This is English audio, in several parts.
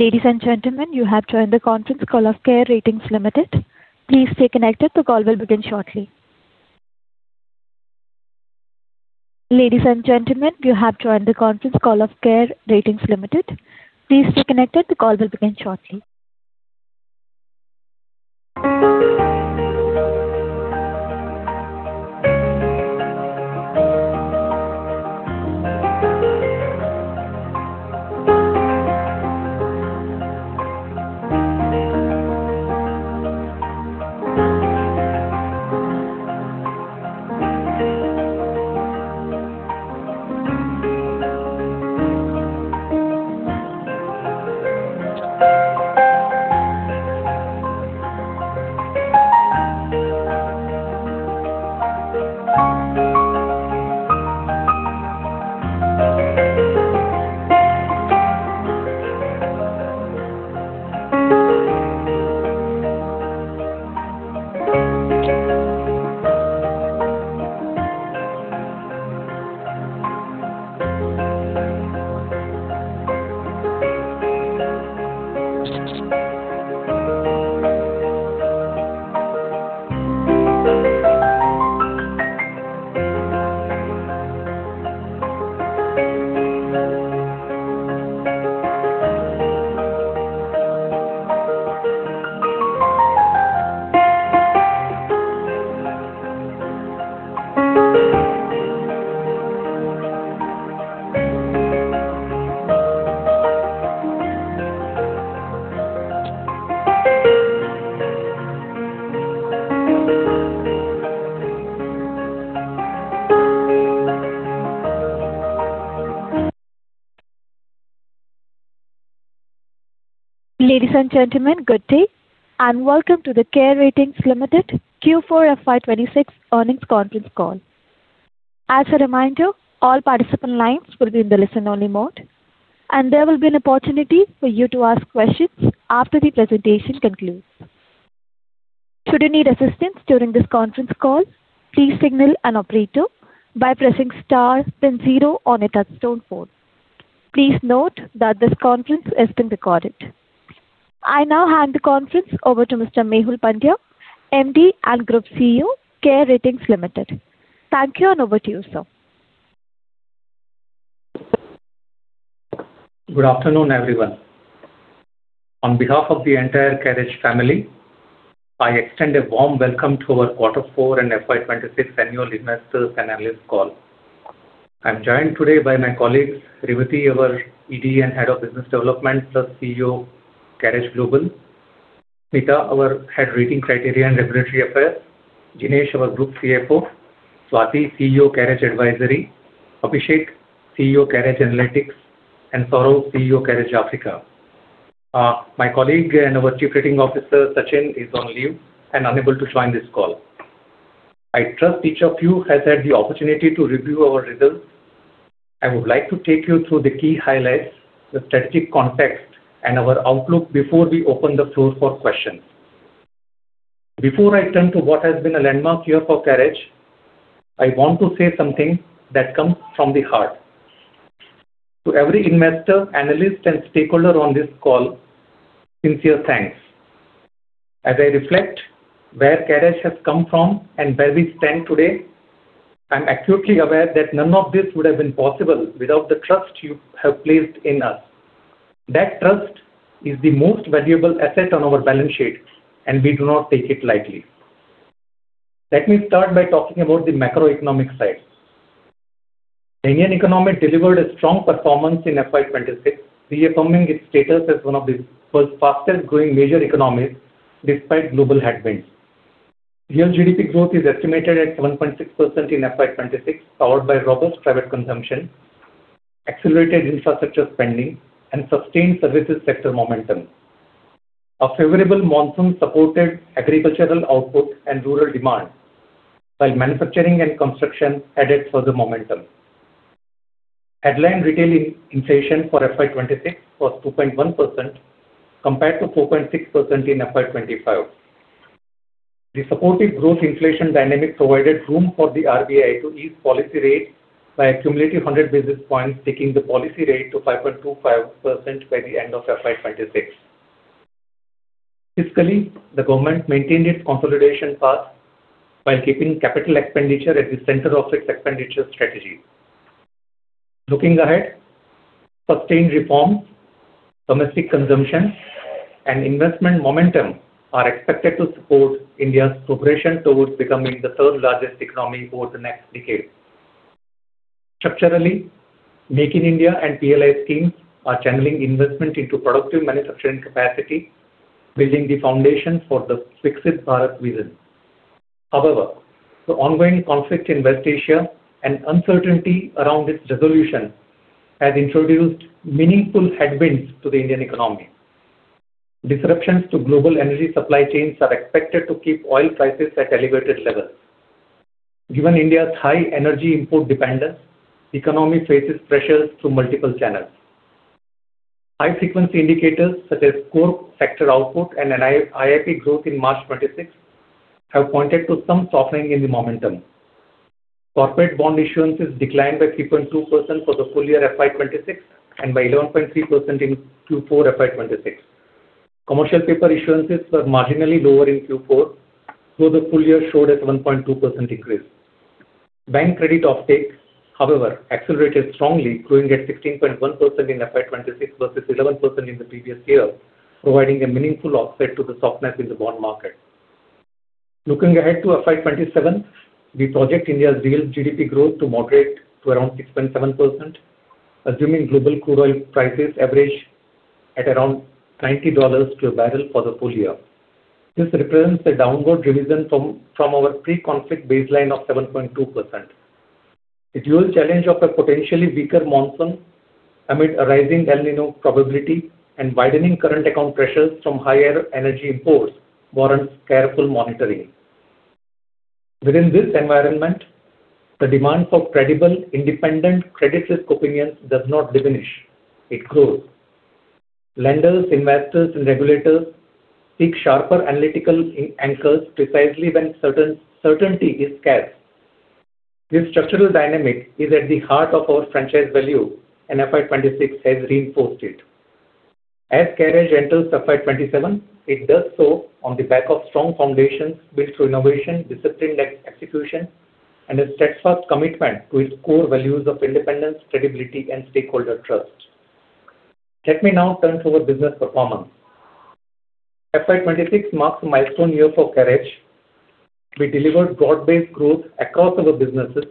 Ladies and gentlemen, good day, and welcome to the CARE Ratings Limited Q4 FY 2026 earnings conference call. As a reminder, all participant lines will be in the listen-only mode, and there will be an opportunity for you to ask questions after the presentation concludes. Should you need assistance during this conference call, please signal an operator by pressing star then zero on a touch-tone phone. Please note that this conference is being recorded. I now hand the conference over to Mr. Mehul Pandya, MD & Group CEO, CARE Ratings Limited. Thank you, and over to you, sir. Good afternoon, everyone. On behalf of the entire CareEdge family, I extend a warm welcome to our quarter four and FY 2026 annual investors and analysts call. I'm joined today by my colleagues, Revati, our ED and Head of Business Development plus CEO, CareEdge Global. Meeta, our Head - Rating Criteria and Regulatory Affairs. Jinesh, our Group CFO. Swati, CEO, CareEdge Advisory. Abhisheik, CEO, CareEdge Analytics. Saurav, CEO, CareEdge Africa. My colleague and our Chief Rating Officer, Sachin, is on leave and unable to join this call. I trust each of you has had the opportunity to review our results. I would like to take you through the key highlights, the strategic context, and our outlook before we open the floor for questions. Before I turn to what has been a landmark year for CareEdge, I want to say something that comes from the heart. To every investor, analyst, and stakeholder on this call, sincere thanks. As I reflect where CareEdge has come from and where we stand today, I'm acutely aware that none of this would have been possible without the trust you have placed in us. That trust is the most valuable asset on our balance sheet, and we do not take it lightly. Let me start by talking about the macroeconomic side. Indian economy delivered a strong performance in FY 2026, reaffirming its status as one of the world's fastest-growing major economies despite global headwinds. Real GDP growth is estimated at 7.6% in FY 2026, powered by robust private consumption, accelerated infrastructure spending, and sustained services sector momentum. A favorable monsoon supported agricultural output and rural demand, while manufacturing and construction added further momentum. Headline retail inflation for FY 2026 was 2.1% compared to 4.6% in FY 2025. The supportive growth inflation dynamic provided room for the RBI to ease policy rates by a cumulative 100 basis points, taking the policy rate to 5.25% by the end of FY 2026. Fiscally, the government maintained its consolidation path while keeping capital expenditure at the center of its expenditure strategy. Looking ahead, sustained reforms, domestic consumption, and investment momentum are expected to support India's progression towards becoming the third-largest economy over the next decade. Structurally, Make in India and PLI schemes are channeling investment into productive manufacturing capacity, building the foundation for the Viksit Bharat vision. The ongoing conflict in West Asia and uncertainty around its resolution has introduced meaningful headwinds to the Indian economy. Disruptions to global energy supply chains are expected to keep oil prices at elevated levels. Given India's high energy import dependence, the economy faces pressures through multiple channels. High-frequency indicators such as core sector output and IIP growth in March 2026 have pointed to some softening in the momentum. Corporate bond issuance has declined by 3.2% for the full year FY 2026, and by 11.3% in Q4 FY 2026. Commercial paper issuances were marginally lower in Q4, the full year showed a 1.2% increase. Bank credit offtake, however, accelerated strongly, growing at 16.1% in FY 2026 versus 11% in the previous year, providing a meaningful offset to the softness in the bond market. Looking ahead to FY 2027, we project India's real GDP growth to moderate to around 6.7%, assuming global crude oil prices average at around $90 per barrel for the full year. This represents a downward revision from our pre-conflict baseline of 7.2%. The dual challenge of a potentially weaker monsoon amid a rising El Niño probability and widening current account pressures from higher energy imports warrants careful monitoring. Within this environment, the demand for credible, independent credit risk opinions does not diminish, it grows. Lenders, investors, and regulators seek sharper analytical anchors precisely when certainty is scarce. This structural dynamic is at the heart of our franchise value, FY 2026 has reinforced it. As CareEdge enters FY 2027, it does so on the back of strong foundations built through innovation, disciplined execution, and a steadfast commitment to its core values of independence, credibility, and stakeholder trust. Let me now turn to our business performance. FY 2026 marks a milestone year for CARE. We delivered broad-based growth across our businesses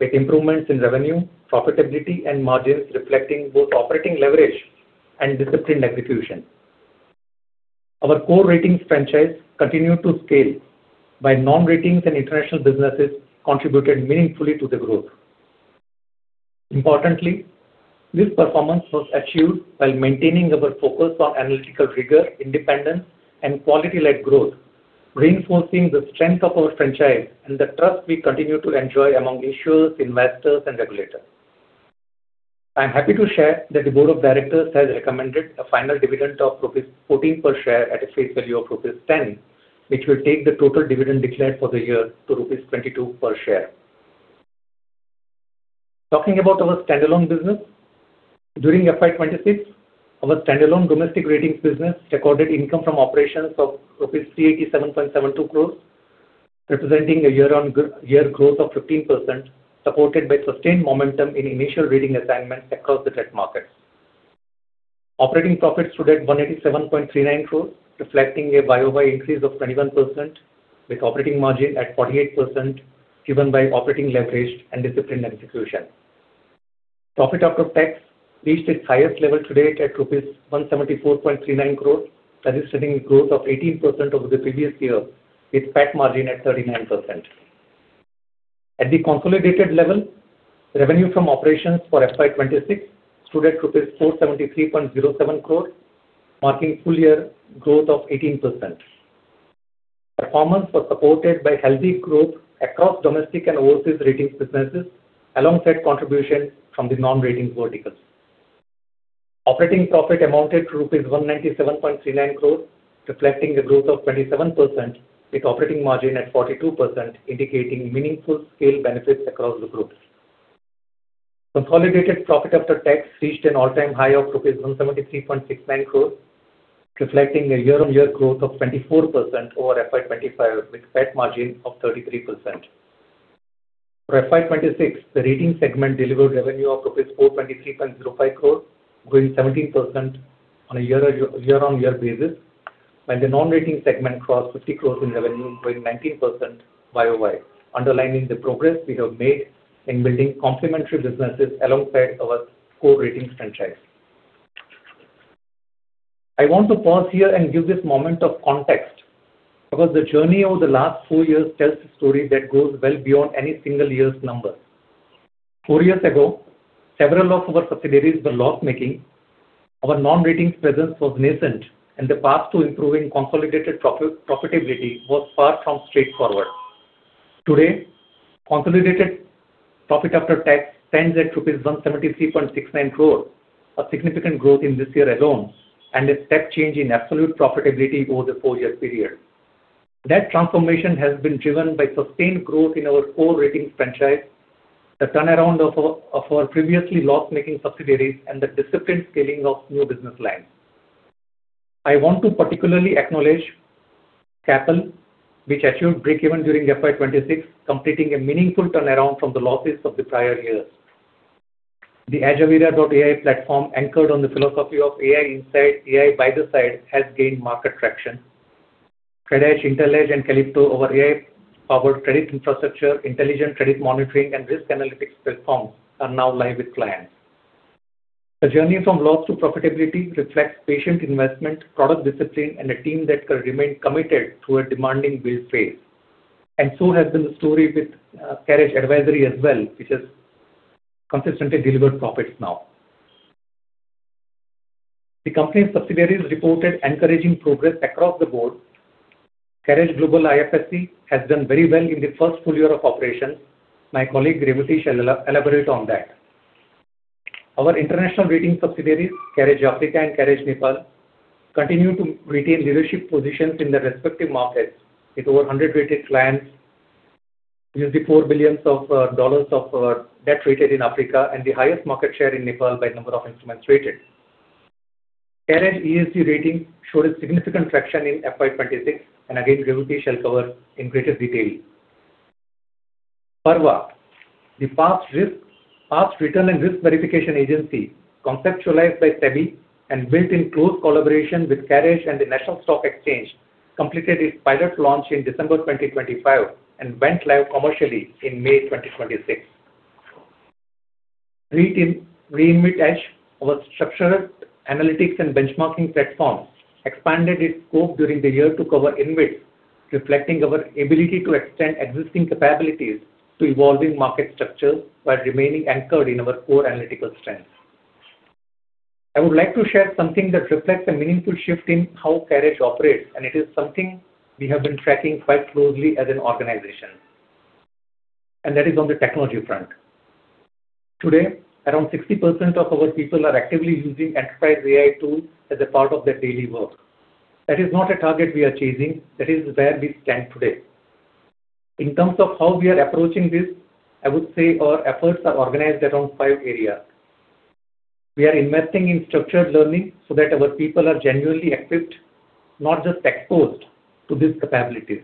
with improvements in revenue, profitability, and margins reflecting both operating leverage and disciplined execution. Our core ratings franchise continued to scale by non-ratings and international businesses contributed meaningfully to the growth. Importantly, this performance was achieved while maintaining our focus on analytical rigor, independence, and quality-led growth, reinforcing the strength of our franchise and the trust we continue to enjoy among issuers, investors, and regulators. I am happy to share that the board of directors has recommended a final dividend of rupees 14 per share at a face value of rupees 10, which will take the total dividend declared for the year to rupees 22 per share. Talking about our standalone business. During FY 2026, our standalone domestic ratings business recorded income from operations of rupees 387.72 crores, representing a year-on-year growth of 15%, supported by sustained momentum in initial rating assignments across the debt markets. Operating profits stood at 187.39 crores, reflecting a YoY increase of 21% with operating margin at 48% driven by operating leverage and disciplined execution. Profit after tax reached its highest level to date at rupees 174.39 crores, registering growth of 18% over the previous year, with PAT margin at 39%. At the consolidated level, revenue from operations for FY 2026 stood at 473.07 crores, marking full year growth of 18%. Performance was supported by healthy growth across domestic and overseas ratings businesses, alongside contributions from the non-ratings verticals. Operating profit amounted to rupees 197.39 crores, reflecting a growth of 27% with operating margin at 42%, indicating meaningful scale benefits across the group. Consolidated profit after tax reached an all-time high of rupees 173.69 crores, reflecting a year-on-year growth of 24% over FY 2025, with PAT margin of 33%. For FY 2026, the ratings segment delivered revenue of INR 423.05 crores, growing 17% on a year-on-year basis, while the non-ratings segment crossed 50 crores in revenue, growing 19% YoY, underlining the progress we have made in building complementary businesses alongside our core ratings franchise. I want to pause here and give this moment of context, because the journey over the last four years tells a story that goes well beyond any single year's numbers. Four years ago, several of our subsidiaries were loss-making. Our non-ratings presence was nascent, and the path to improving consolidated profitability was far from straightforward. Today, consolidated profit after tax stands at INR 173.69 crores, a significant growth in this year alone, and a step change in absolute profitability over the four-year period. That transformation has been driven by sustained growth in our core ratings franchise, the turnaround of our previously loss-making subsidiaries, and the disciplined scaling of new business lines. I want to particularly acknowledge Capital, which achieved breakeven during FY 2026, completing a meaningful turnaround from the losses of the prior years. The Ajivita.ai platform, anchored on the philosophy of AI inside, AI by the side, has gained market traction. CredEdge, IntellEdge, and Kalypto, our AI-powered credit infrastructure, intelligent credit monitoring, and risk analytics platforms are now live with clients. The journey from loss to profitability reflects patient investment, product discipline, a team that remained committed through a demanding build phase. So has been the story with CareEdge Advisory as well, which has consistently delivered profits now. The company subsidiaries reported encouraging progress across the board. CareEdge Global IFSC has done very well in the first full year of operations. My colleague Revati shall elaborate on that. Our international ratings subsidiaries, CareEdge Africa and CareEdge Nepal, continue to retain leadership positions in their respective markets with over 100 rated clients, $4 billion of debt rated in Africa and the highest market share in Nepal by number of instruments rated. CareEdge ESG rating showed a significant traction in FY 2026, and again, Revati shall cover in greater detail. PaRRVA, the Past Return and Risk Verification Agency, conceptualized by SEBI and built in close collaboration with CareEdge and the National Stock Exchange, completed its pilot launch in December 2025 and went live commercially in May 2026. ReInvTech, our structured analytics and benchmarking platform, expanded its scope during the year to cover InvIT, reflecting our ability to extend existing capabilities to evolving market structures while remaining anchored in our core analytical strengths. I would like to share something that reflects a meaningful shift in how CareEdge operates, and it is something we have been tracking quite closely as an organization, and that is on the technology front. Today, around 60% of our people are actively using enterprise AI tools as a part of their daily work. That is not a target we are chasing. That is where we stand today. In terms of how we are approaching this, I would say our efforts are organized around five areas. We are investing in structured learning so that our people are genuinely equipped, not just exposed to these capabilities.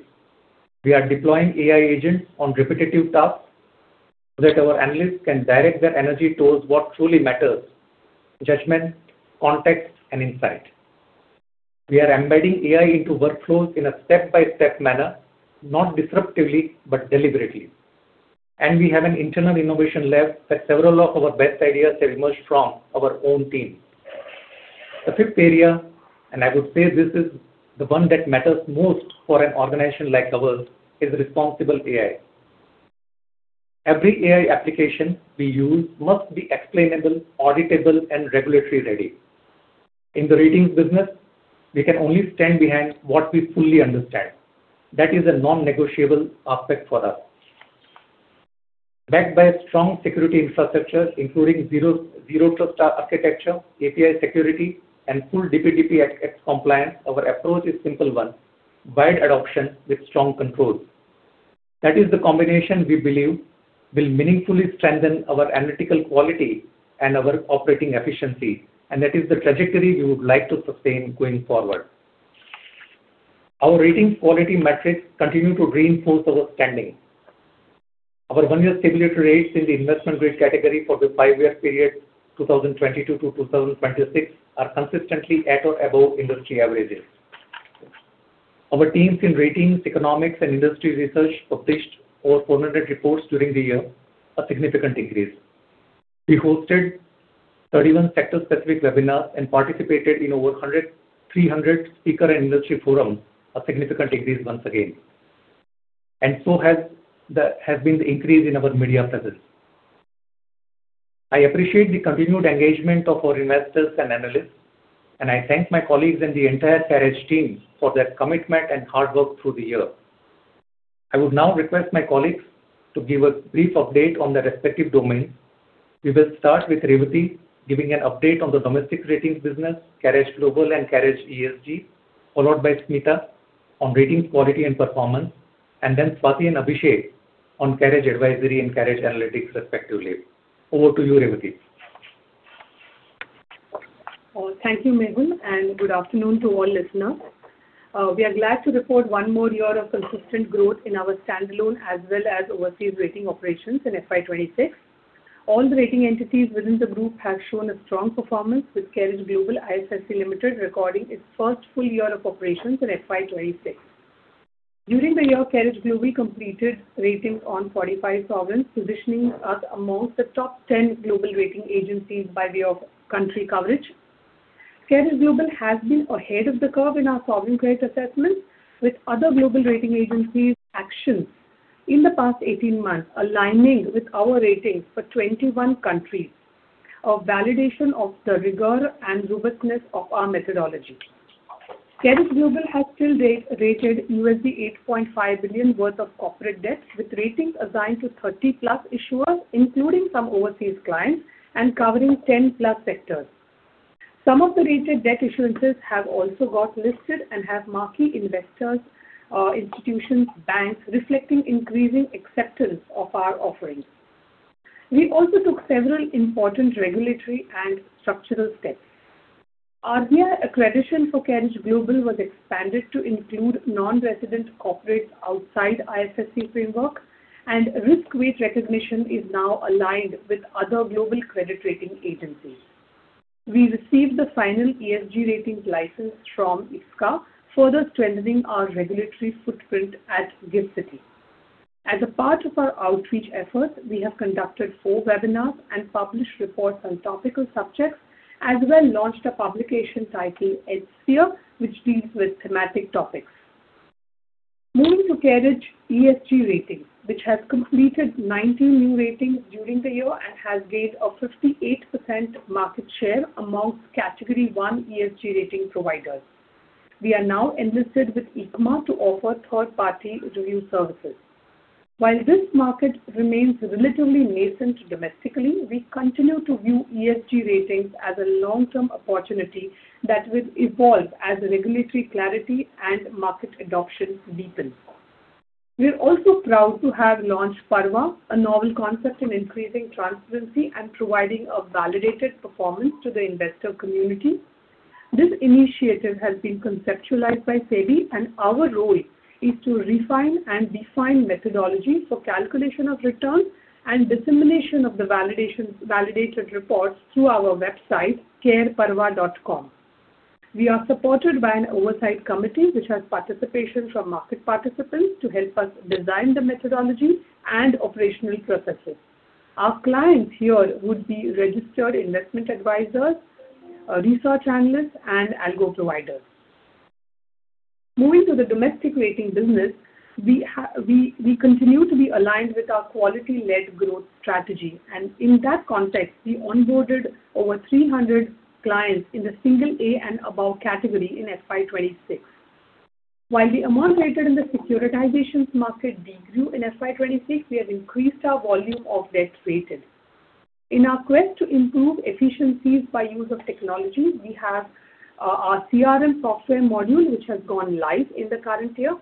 We are deploying AI agents on repetitive tasks so that our analysts can direct their energy towards what truly matters: judgment, context, and insight. We are embedding AI into workflows in a step-by-step manner, not disruptively but deliberately. We have an internal innovation lab that several of our best ideas have emerged from our own team. The fifth area, and I would say this is the one that matters most for an organization like ours, is responsible AI. Every AI application we use must be explainable, auditable, and regulatory ready. In the ratings business, we can only stand behind what we fully understand. That is a non-negotiable aspect for us. Backed by a strong security infrastructure, including zero trust architecture, API security, and full DPDPA compliance, our approach is simple one, wide adoption with strong controls. That is the combination we believe will meaningfully strengthen our analytical quality and our operating efficiency. That is the trajectory we would like to sustain going forward. Our ratings quality metrics continue to reinforce our standing. Our one-year simulated rates in the investment grade category for the five-year period 2022-2026 are consistently at or above industry averages. Our teams in ratings, economics, and industry research published over 400 reports during the year, a significant increase. We hosted 31 sector-specific webinars and participated in over 300 speaker and industry forums, a significant increase once again. And so has been the increase in our media presence. I appreciate the continued engagement of our investors and analysts. I thank my colleagues and the entire CareEdge team for their commitment and hard work through the year. I would now request my colleagues to give a brief update on their respective domains. We will start with Revati giving an update on the domestic ratings business, CareEdge Global and CareEdge ESG, followed by Meeta on ratings quality and performance, and then Swati and Abhisheik on CareEdge Advisory and CareEdge Analytics, respectively. Over to you, Revati. Thank you, Mehul, and good afternoon to all listeners. We are glad to report one more year of consistent growth in our standalone as well as overseas rating operations in FY 2026. All the rating entities within the group have shown a strong performance with CareEdge Global IFSC Limited recording its first full year of operations in FY 2026. During the year, CareEdge Global completed ratings on 45 sovereigns, positioning us amongst the top 10 global rating agencies by way of country coverage. CareEdge Global has been ahead of the curve in our sovereign credit assessments, with other global rating agencies actions in the past 18 months aligning with our ratings for 21 countries of validation of the rigor and robustness of our methodology. CareEdge Global has till date rated $8.5 billion worth of corporate debt, with ratings assigned to 30+ issuers, including some overseas clients, and covering 10+ sectors. Some of the rated debt issuances have also got listed and have marquee investors, institutions, banks, reflecting increasing acceptance of our offerings. We also took several important regulatory and structural steps. RBIA accreditation for CareEdge Global was expanded to include non-resident corporates outside IFSC framework and risk weight recognition is now aligned with other global credit rating agencies. We received the final ESG ratings license from IFSCA, further strengthening our regulatory footprint at GIFT City. As a part of our outreach efforts, we have conducted four webinars and published reports on topical subjects, as well launched a publication titled EdgeSphere, which deals with thematic topics. Moving to CARE ESG Ratings, which has completed 19 new ratings during the year and has gained a 58% market share amongst Category 1 ESG rating providers. We are now enlisted with ICMA to offer third-party review services. While this market remains relatively nascent domestically, we continue to view ESG ratings as a long-term opportunity that will evolve as regulatory clarity and market adoption deepens. We're also proud to have launched PaRRVA, a novel concept in increasing transparency and providing a validated performance to the investor community. This initiative has been conceptualized by SEBI, and our role is to refine and define methodology for calculation of returns and dissemination of the validated reports through our website, careparrva.com. We are supported by an oversight committee which has participation from market participants to help us design the methodology and operational processes. Our clients here would be registered investment advisors, research analysts and algo providers. Moving to the domestic rating business, we continue to be aligned with our quality-led growth strategy. In that context, we onboarded over 300 clients in the single A and above category in FY 2026. While the amount rated in the securitizations market decreased in FY 2026, we have increased our volume of debt rated. In our quest to improve efficiencies by use of technology, we have our CRM software module, which has gone live in the current year.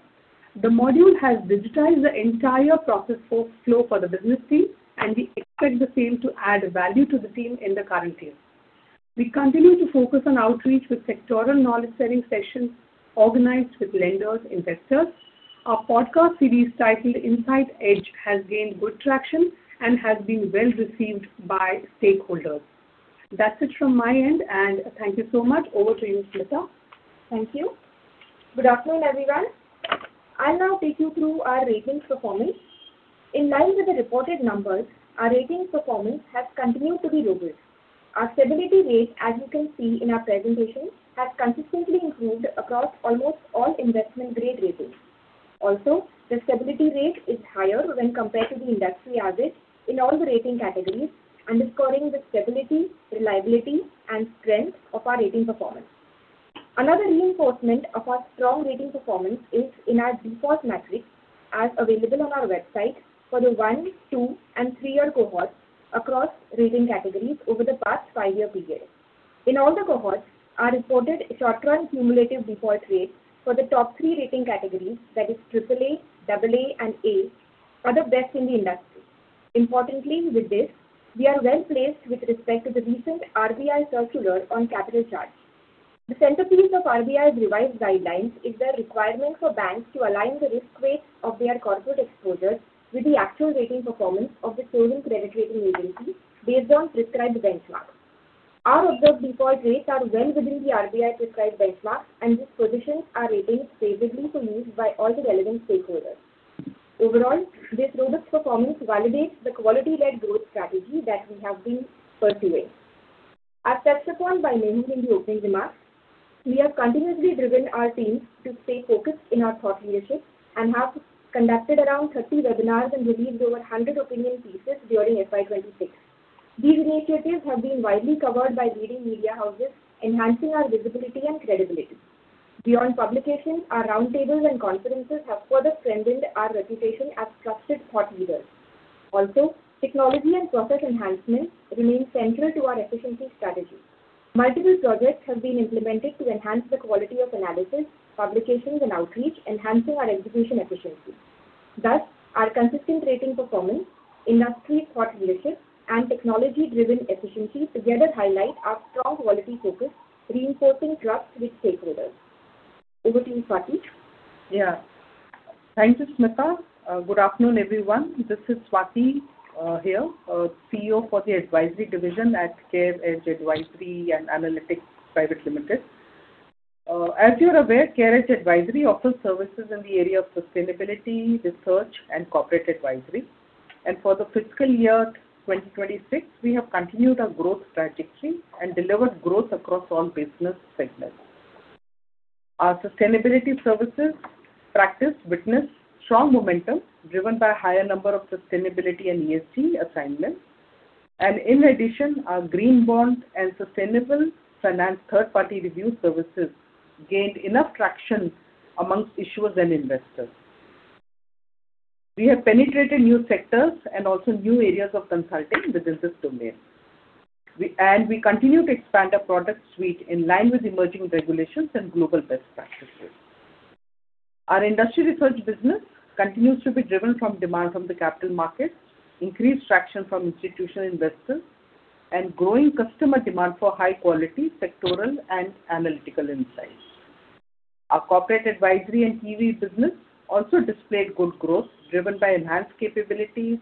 The module has digitized the entire process flow for the business team, and we expect the same to add value to the team in the current year. We continue to focus on outreach with sectoral knowledge-sharing sessions organized with lenders, investors. Our podcast series titled InsightEdge has gained good traction and has been well-received by stakeholders. That's it from my end. Thank you so much. Over to you, Meeta. Thank you. Good afternoon, everyone. I'll now take you through our ratings performance. In line with the reported numbers, our ratings performance has continued to be robust. Our stability rate, as you can see in our presentation, has consistently improved across almost all investment grade ratings. The stability rate is higher when compared to the industry average in all the rating categories and is scoring the stability, reliability and strength of our rating performance. Another reinforcement of our strong rating performance is in our default metrics as available on our website for the one, two, and three-year cohorts across rating categories over the past five-year period. In all the cohorts, our reported short-run cumulative default rates for the top three rating categories, that is AAA, AA, and A, are the best in the industry. Importantly with this, we are well-placed with respect to the recent RBI circular on capital charge. The centerpiece of RBI's revised guidelines is their requirement for banks to align the risk weights of their corporate exposures with the actual rating performance of the serving credit rating agency based on prescribed benchmarks. Our observed default rates are well within the RBI prescribed benchmarks, and this positions our ratings favorably for use by all the relevant stakeholders. Overall, this robust performance validates the quality-led growth strategy that we have been pursuing. As touched upon by Mehul in the opening remarks, we have continuously driven our teams to stay focused in our thought leadership and have conducted around 30 webinars and released over 100 opinion pieces during FY 2026. These initiatives have been widely covered by leading media houses, enhancing our visibility and credibility. Beyond publications, our roundtables and conferences have further strengthened our reputation as trusted thought leaders. Also, technology and process enhancements remain central to our efficiency strategy. Multiple projects have been implemented to enhance the quality of analysis, publications and outreach, enhancing our execution efficiency. Thus our consistent rating performance, industry thought leadership and technology-driven efficiency together highlight our strong quality focus, reinforcing trust with stakeholders. Over to you, Swati. Yeah. Thank you, Meeta. Good afternoon, everyone. This is Swati here, CEO for the advisory division at CareEdge Advisory and Analytics Private Limited. As you are aware, CareEdge Advisory offers services in the area of sustainability, research and corporate advisory. For the fiscal year 2026, we have continued our growth trajectory and delivered growth across all business segments. Our sustainability services practice witnessed strong momentum driven by higher number of sustainability and ESG assignments. In addition, our green bond and sustainable finance third-party review services gained enough traction amongst issuers and investors. We have penetrated new sectors and also new areas of consulting within this domain. We continue to expand our product suite in line with emerging regulations and global best practices. Our industry research business continues to be driven from demand from the capital markets, increased traction from institutional investors and growing customer demand for high quality sectoral and analytical insights. Our corporate advisory and PE business also displayed good growth driven by enhanced capabilities,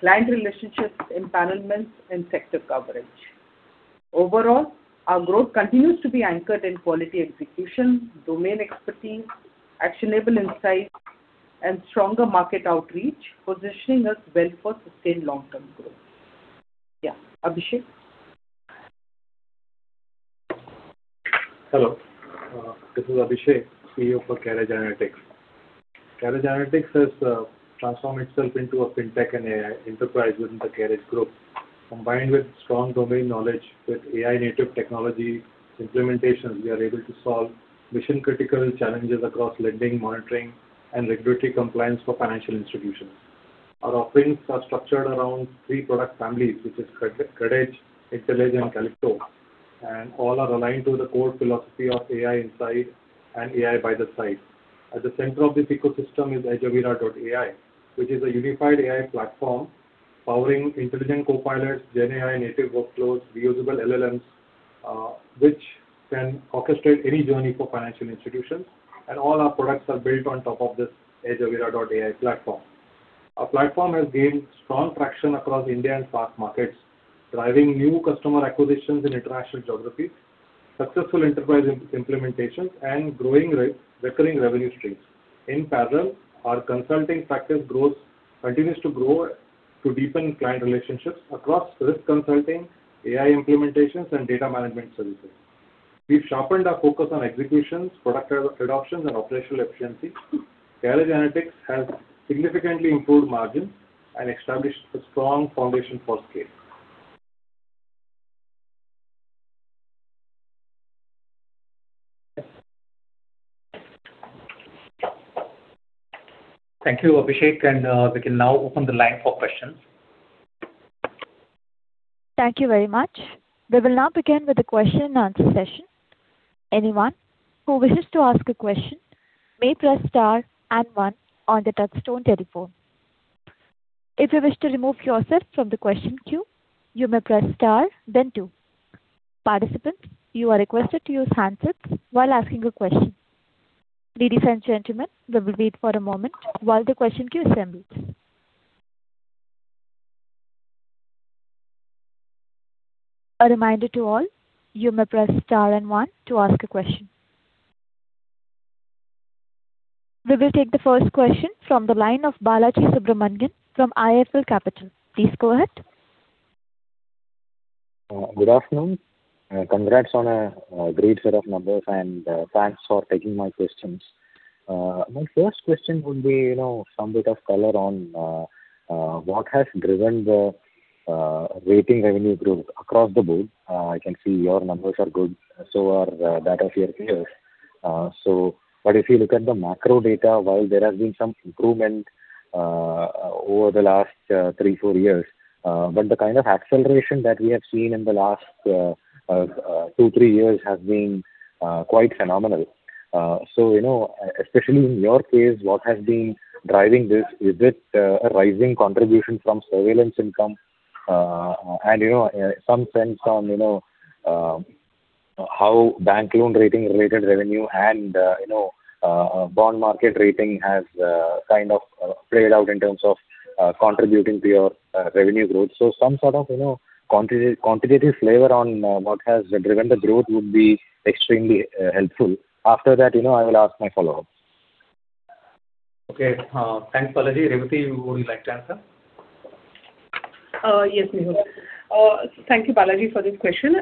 client relationships, empanelments and sector coverage. Overall, our growth continues to be anchored in quality execution, domain expertise, actionable insights and stronger market outreach, positioning us well for sustained long-term growth. Yeah. Abhisheik? Hello, this is Abhisheik, CEO for CareEdge Analytics. CareEdge Analytics has transformed itself into a fintech and AI enterprise within the Edge Group. Combined with strong domain knowledge with AI native technology implementations, we are able to solve mission-critical challenges across lending, monitoring, and regulatory compliance for financial institutions. Our offerings are structured around three product families, which is CredEdge, IntellEdge, and Kalypto, and all are aligned to the core philosophy of AI inside and AI by the side. At the center of this ecosystem is Ajivita.ai, which is a unified AI platform powering intelligent copilots, GenAI native workflows, reusable LLMs, which can orchestrate any journey for financial institutions. All our products are built on top of this Ajivita.ai platform. Our platform has gained strong traction across India and fast markets, driving new customer acquisitions in international geographies, successful enterprise implementations, and growing recurring revenue streams. In parallel, our consulting practice continues to grow to deepen client relationships across risk consulting, AI implementations, and data management services. We've sharpened our focus on executions, product adoption, and operational efficiency. CareEdge Analytics has significantly improved margins and established a strong foundation for scale. Thank you, Abhisheik. We can now open the line for questions. Thank you very much. We will now begin with the question-and-answer session. Anyone who wishes to ask a question may press star and one on touchtone telephone. If you wish to remove yourself from the queue, you may press star then two. Participants, you are requested to use handsets while asking a question. Ladies and gentlemen, we will wait for a moment while the question queue assembles. A reminder to you all, you may press star and one to ask a question. We will take the first question from the line of Balaji Subramanian from IIFL Capital. Please go ahead. Good afternoon. Congrats on a great set of numbers, and thanks for taking my questions. My first question would be, you know, some bit of color on what has driven the rating revenue growth across the board. I can see your numbers are good, so are that of your peers. If you look at the macro data, while there has been some improvement over the last three, four years, but the kind of acceleration that we have seen in the last two, three years has been quite phenomenal. So, you know, especially in your case, what has been driving this? Is it a rising contribution from surveillance income? You know, some sense on, you know, how bank loan rating related revenue and, you know, bond market rating has kind of played out in terms of contributing to your revenue growth. Some sort of, you know, quantitative flavor on what has driven the growth would be extremely helpful. After that, you know, I will ask my follow-up. Okay. thanks, Balaji. Revati, would you like to answer? Yes, Mehul. Thank you, Balaji, for this question.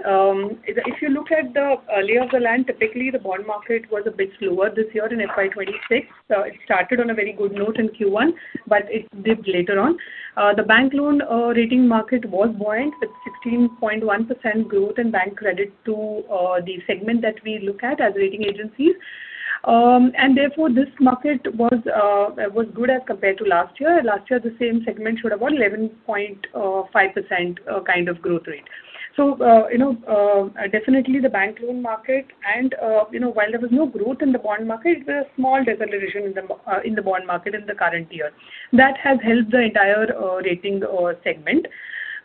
If you look at the lay of the land, typically the bond market was a bit slower this year in FY 2026. It started on a very good note in Q1, it dipped later on. The bank loan rating market was buoyant with 16.1% growth in bank credit to the segment that we look at as rating agencies. Therefore this market was good as compared to last year. Last year, the same segment showed about 11.5% kind of growth rate. You know, definitely the bank loan market and, you know, while there was no growth in the bond market, there's a small deceleration in the bond market in the current year. That has helped the entire rating segment.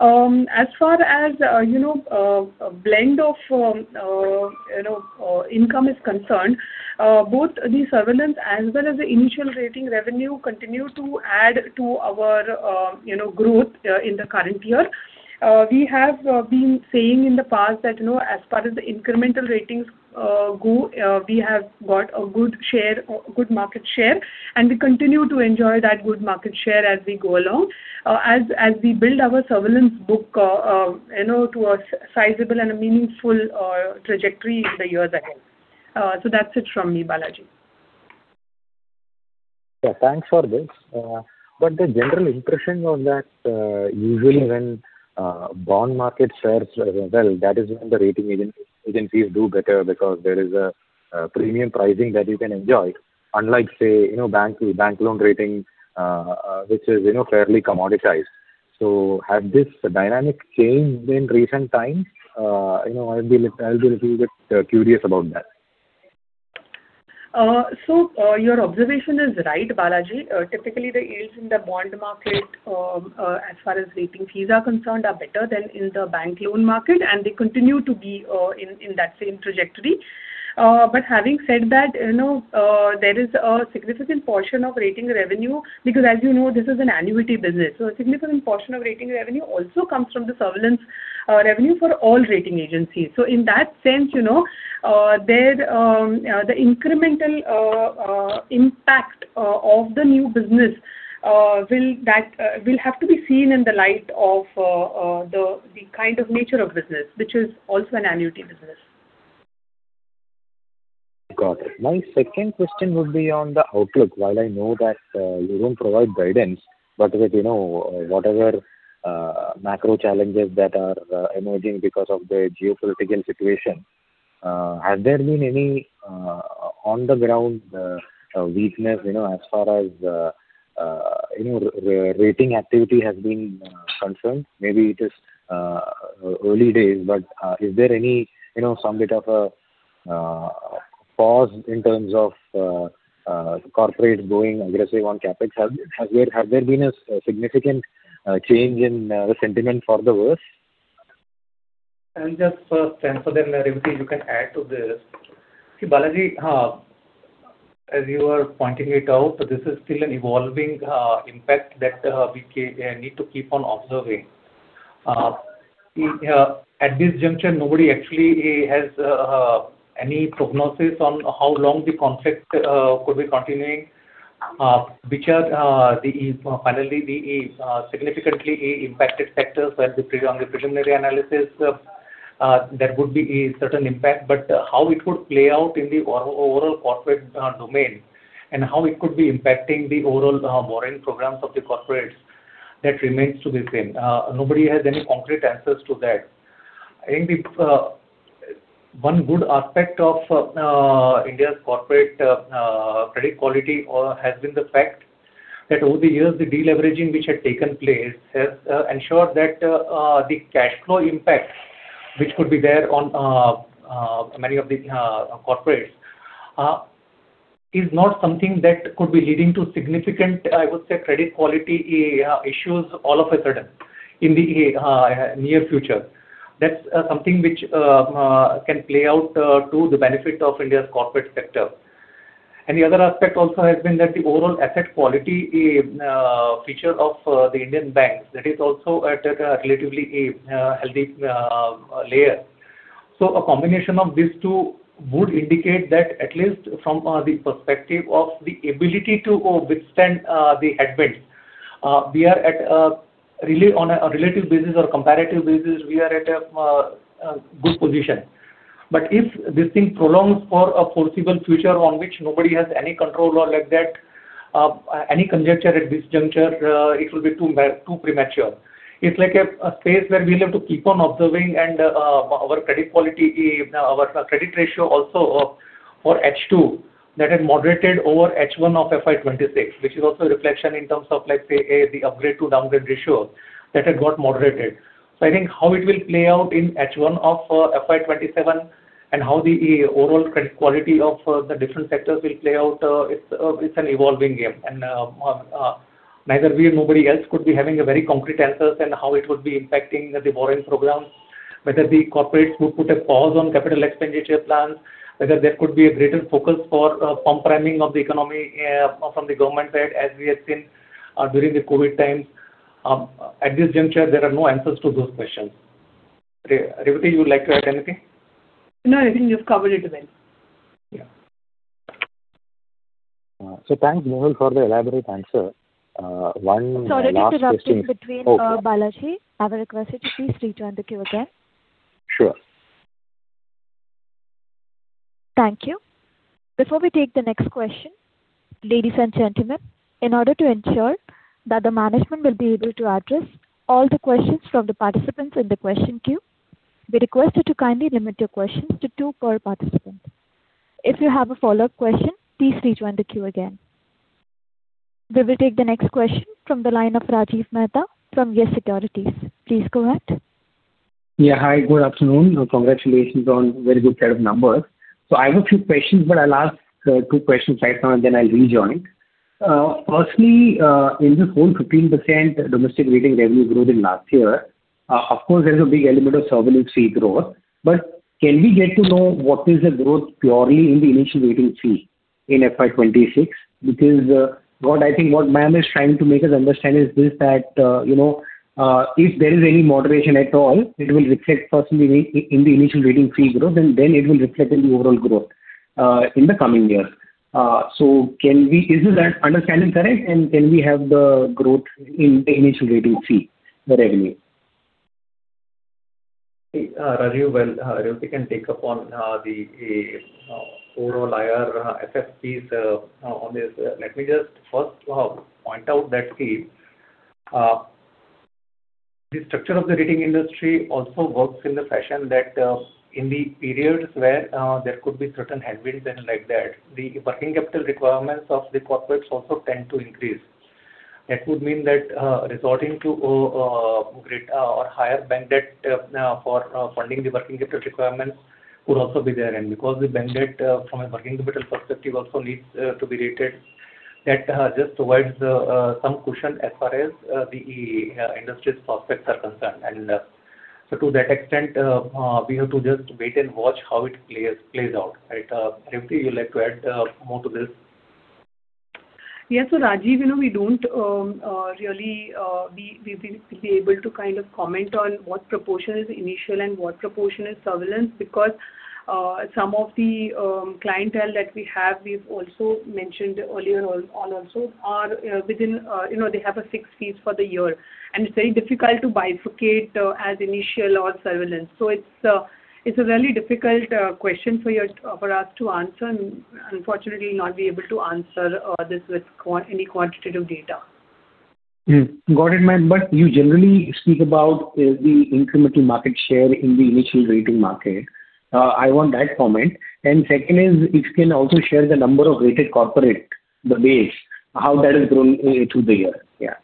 As far as, you know, blend of, you know, income is concerned, both the surveillance as well as the initial rating revenue continue to add to our, you know, growth in the current year. We have been saying in the past that, you know, as far as the incremental ratings go, we have got a good share, a good market share, and we continue to enjoy that good market share as we go along, as we build our surveillance book, you know, to a sizeable and a meaningful trajectory in the years ahead. That's it from me, Balaji. Thanks for this. The general impression on that, usually when bond market shares, well, that is when the rating agencies do better because there is a premium pricing that you can enjoy. Unlike say, you know, bank loan rating, which is, you know, fairly commoditized. Have this dynamic changed in recent times? You know, I'll be a little bit curious about that. Your observation is right, Balaji. Typically the yields in the bond market, as far as rating fees are concerned, are better than in the bank loan market, and they continue to be in that same trajectory. Having said that, you know, there is a significant portion of rating revenue because as you know, this is an annuity business, a significant portion of rating revenue also comes from the surveillance revenue for all rating agencies. In that sense, you know, there the incremental impact of the new business will have to be seen in the light of the kind of nature of business, which is also an annuity business. Got it. My second question would be on the outlook. While I know that you don't provide guidance, but with, you know, whatever macro challenges that are emerging because of the geopolitical situation, has there been any on the ground weakness, you know, as far as, you know, rating activity has been concerned? Maybe it is early days, but is there any, you know, some bit of a pause in terms of corporate going aggressive on CapEx? Has there been a significant change in the sentiment for the worse? I'll just first transfer then, Revati, you can add to this. See, Balaji, as you were pointing it out, this is still an evolving impact that we need to keep on observing. At this juncture, nobody actually has any prognosis on how long the conflict could be continuing. Which are the finally the significantly impacted sectors where on the preliminary analysis, there could be a certain impact. But how it could play out in the overall corporate domain and how it could be impacting the overall borrowing programs of the corporates, that remains to be seen. Nobody has any concrete answers to that. I think the one good aspect of India's corporate credit quality has been the fact that over the years, the deleveraging which had taken place has ensured that the cash flow impact which could be there on many of the corporates is not something that could be leading to significant, I would say, credit quality issues all of a sudden in the near future. That's something which can play out to the benefit of India's corporate sector. And the other aspect also has been that the overall asset quality feature of the Indian banks, that is also at a relatively healthy layer. A combination of these two would indicate that at least from the perspective of the ability to withstand the headwinds, we are at a really on a relative basis or comparative basis, we are at a good position. If this thing prolongs for a foreseeable future on which nobody has any control or like that, any conjecture at this juncture, it will be too premature. It's like a space where we'll have to keep on observing and our credit quality, our credit ratio also of for H2 that has moderated over H1 of FY 2026, which is also a reflection in terms of, let's say, the upgrade to downgrade ratio that had got moderated. I think how it will play out in H1 of FY 2027 and how the overall credit quality of the different sectors will play out, it's an evolving game. Neither we nor nobody else could be having a very concrete answers and how it would be impacting the borrowing programs, whether the corporates would put a pause on capital expenditure plans, whether there could be a greater focus for pump priming of the economy from the government side, as we have seen during the COVID times. At this juncture, there are no answers to those questions. Revati, you would like to add anything? No, I think you've covered it well. Yeah. Thanks, Mehul, for the elaborate answer. One last question. Sorry to interrupt in between, Balaji. I would request you to please rejoin the queue again. Sure. Thank you. Before we take the next question, ladies and gentlemen, in order to ensure that the management will be able to address all the questions from the participants in the question queue, we request you to kindly limit your questions to two per participant. If you have a follow-up question, please rejoin the queue again. We will take the next question from the line of Rajiv Mehta from YES SECURITIES. Please go ahead. Yeah. Hi, good afternoon. Congratulations on very good set of numbers. I have a few questions, but I'll ask two questions right now and then I'll rejoin. Firstly, in this whole 15% domestic rating revenue growth in last year, of course, there's a big element of surveillance fee growth. Can we get to know what is the growth purely in the initial rating fee in FY 2026? Because, what I think what ma'am is trying to make us understand is this, that, you know, if there is any moderation at all, it will reflect firstly in the initial rating fee growth and then it will reflect in the overall growth, in the coming years. Is that understanding correct? Can we have the growth in the initial rating fee, the revenue? Okay. Rajiv, well, Revati can take up on the overall IR FFPs on this. Let me just first point out that the structure of the rating industry also works in the fashion that in the periods where there could be certain headwinds and like that, the working capital requirements of the corporates also tend to increase. That would mean that resorting to great or higher bank debt for funding the working capital requirements could also be there. Because the bank debt from a working capital perspective also needs to be rated, that just provides some cushion as far as the industry's prospects are concerned. To that extent, we have to just wait and watch how it plays out, right? Revati, you would like to add more to this? Yeah. Rajiv, you know, we don't really be able to kind of comment on what proportion is initial and what proportion is surveillance because some of the clientele that we have, we've also mentioned earlier on also are within, you know, they have a fixed fees for the year, and it's very difficult to bifurcate as initial or surveillance. It's a really difficult question for us to answer and unfortunately not be able to answer this with any quantitative data. Hmm. Got it, ma'am. You generally speak about the incremental market share in the initial rating market. I want that comment. Second is, if you can also share the number of rated corporate, the base, how that has grown through the year. Yeah.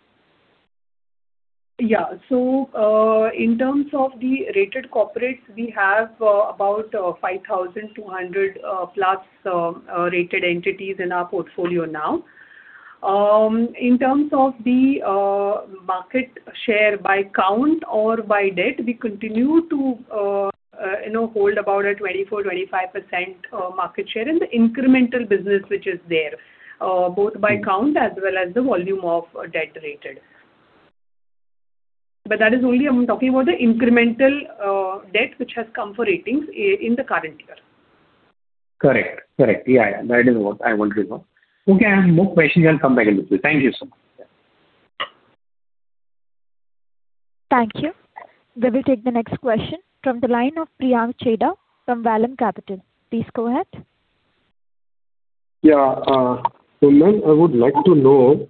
Yeah. In terms of the rated corporates, we have about 5,200+ rated entities in our portfolio now. In terms of the market share by count or by debt, we continue to, you know, hold about a 24%-25% market share in the incremental business which is there, both by count as well as the volume of debt rated. That is only I am talking about the incremental debt which has come for ratings in the current year. Correct. Correct. Yeah, yeah. That is what I wanted to know. Okay. I have more questions. I'll come back in the queue. Thank you so much. Thank you. We will take the next question from the line of Priyank Chheda from Vallum Capital. Please go ahead. Ma'am, I would like to know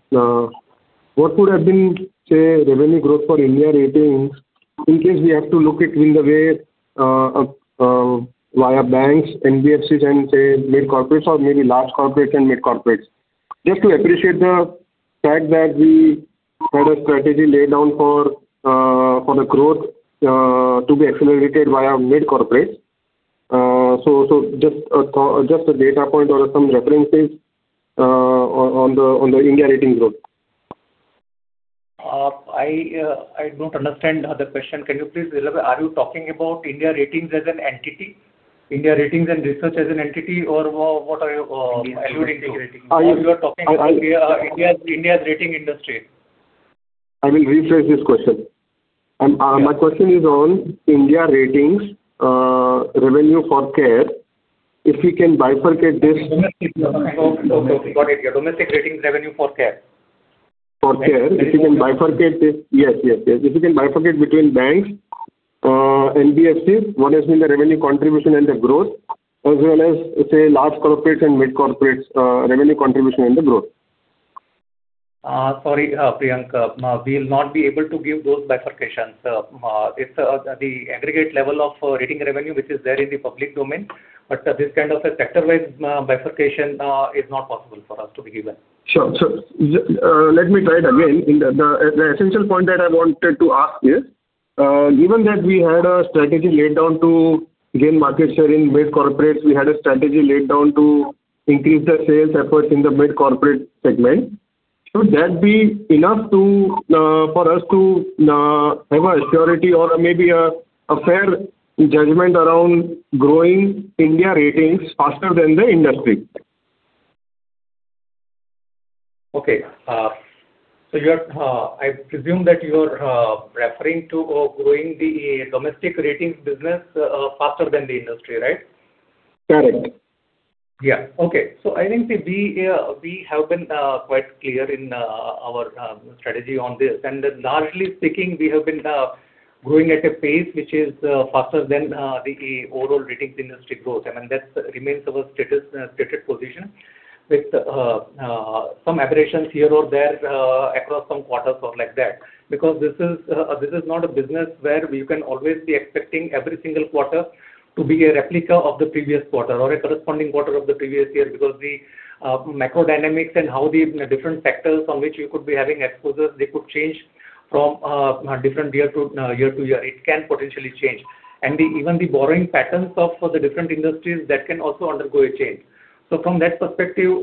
what could have been, say, revenue growth for India Ratings in case we have to look it in the way, via banks, NBFCs, and, say, mid corporates or maybe large corporates and mid corporates. Just to appreciate the fact that we had a strategy laid down for the growth to be accelerated via mid corporates. Just a data point or some references on the India Ratings growth. I don't understand the question. Can you please elaborate? Are you talking about India Ratings as an entity, India Ratings and Research as an entity, or, what are you, alluding to- India Ratings growth. ...you are talking India. I- India's rating industry. I will rephrase this question. Yeah My question is on India Ratings' revenue for CARE. Domestic. Okay. Okay. Got it. Yeah. Domestic ratings revenue for CARE. For CARE. Yes. If you can bifurcate this, if you can bifurcate between banks, NBFCs, what has been the revenue contribution and the growth, as well as, say, large corporates and mid corporates' revenue contribution and the growth? Sorry, Priyank. We will not be able to give those bifurcations. It's the aggregate level of rating revenue which is there in the public domain. This kind of a sector-wise bifurcation is not possible for us to be given. Sure. Let me try it again. The essential point that I wanted to ask is given that we had a strategy laid down to gain market share in mid corporates, we had a strategy laid down to increase the sales efforts in the mid corporate segment, could that be enough for us to have a surety or maybe a fair judgment around growing India Ratings faster than the industry? Okay. I presume that you're referring to growing the domestic ratings business faster than the industry, right? Correct. Yeah. Okay. I think we have been quite clear in our strategy on this. Largely speaking, we have been growing at a pace which is faster than the overall ratings industry growth. I mean, that remains our status stated position with some aberrations here or there across some quarters or like that. This is not a business where you can always be expecting every single quarter to be a replica of the previous quarter or a corresponding quarter of the previous year. The macro dynamics and how the different sectors on which you could be having exposures, they could change from different year-to-year-to-year. It can potentially change. The, even the borrowing patterns of, for the different industries, that can also undergo a change. From that perspective,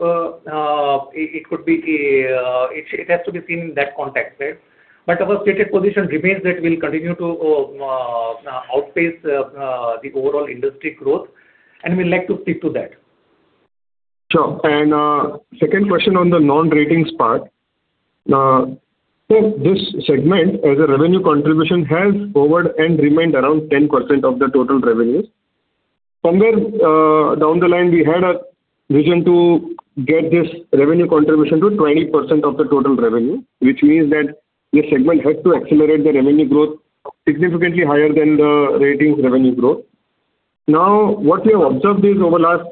it could be, it has to be seen in that context, right? Our stated position remains that we'll continue to outpace the overall industry growth, and we'd like to stick to that. Sure. Second question on the non-ratings part. This segment as a revenue contribution has hovered and remained around 10% of the total revenues. Somewhere, down the line, we had a vision to get this revenue contribution to 20% of the total revenue, which means that this segment had to accelerate the revenue growth significantly higher than the ratings revenue growth. What we have observed is over last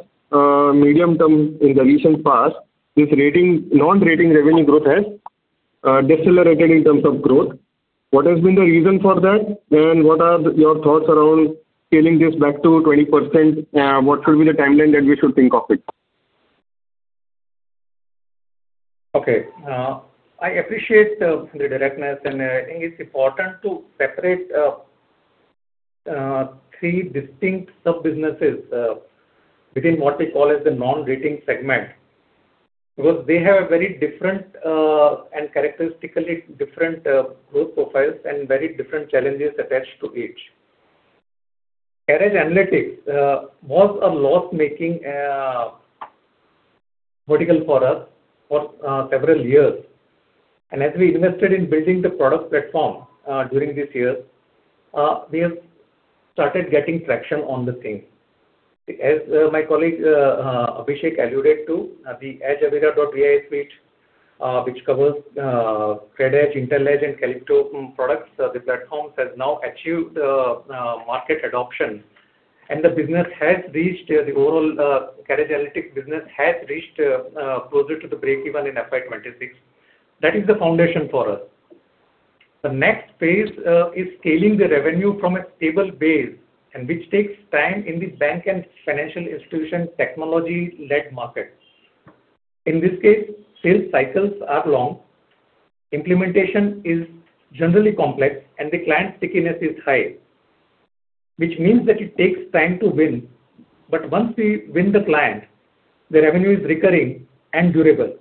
medium term in the recent past, non-rating revenue growth has decelerated in terms of growth. What has been the reason for that? What are your thoughts around scaling this back to 20%? What should be the timeline that we should think of it? Okay. I appreciate the directness, and I think it's important to separate three distinct sub-businesses within what we call as the non-rating segment. Because they have very different and characteristically different growth profiles and very different challenges attached to each. CareEdge Analytics was a loss-making vertical for us for several years. As we invested in building the product platform during these years, we have started getting traction on the same. As my colleague Abhisheik alluded to, the EdgeAvira.AI suite, which covers CredEdge, IntellEdge and Kalypto products, the platforms has now achieved market adoption. The business has reached the overall CareEdge Analytics business has reached closer to the breakeven in FY 2026. That is the foundation for us. The next phase is scaling the revenue from a stable base, and which takes time in the bank and financial institution technology-led market. In this case, sales cycles are long, implementation is generally complex, and the client stickiness is high, which means that it takes time to win. Once we win the client, the revenue is recurring and durable.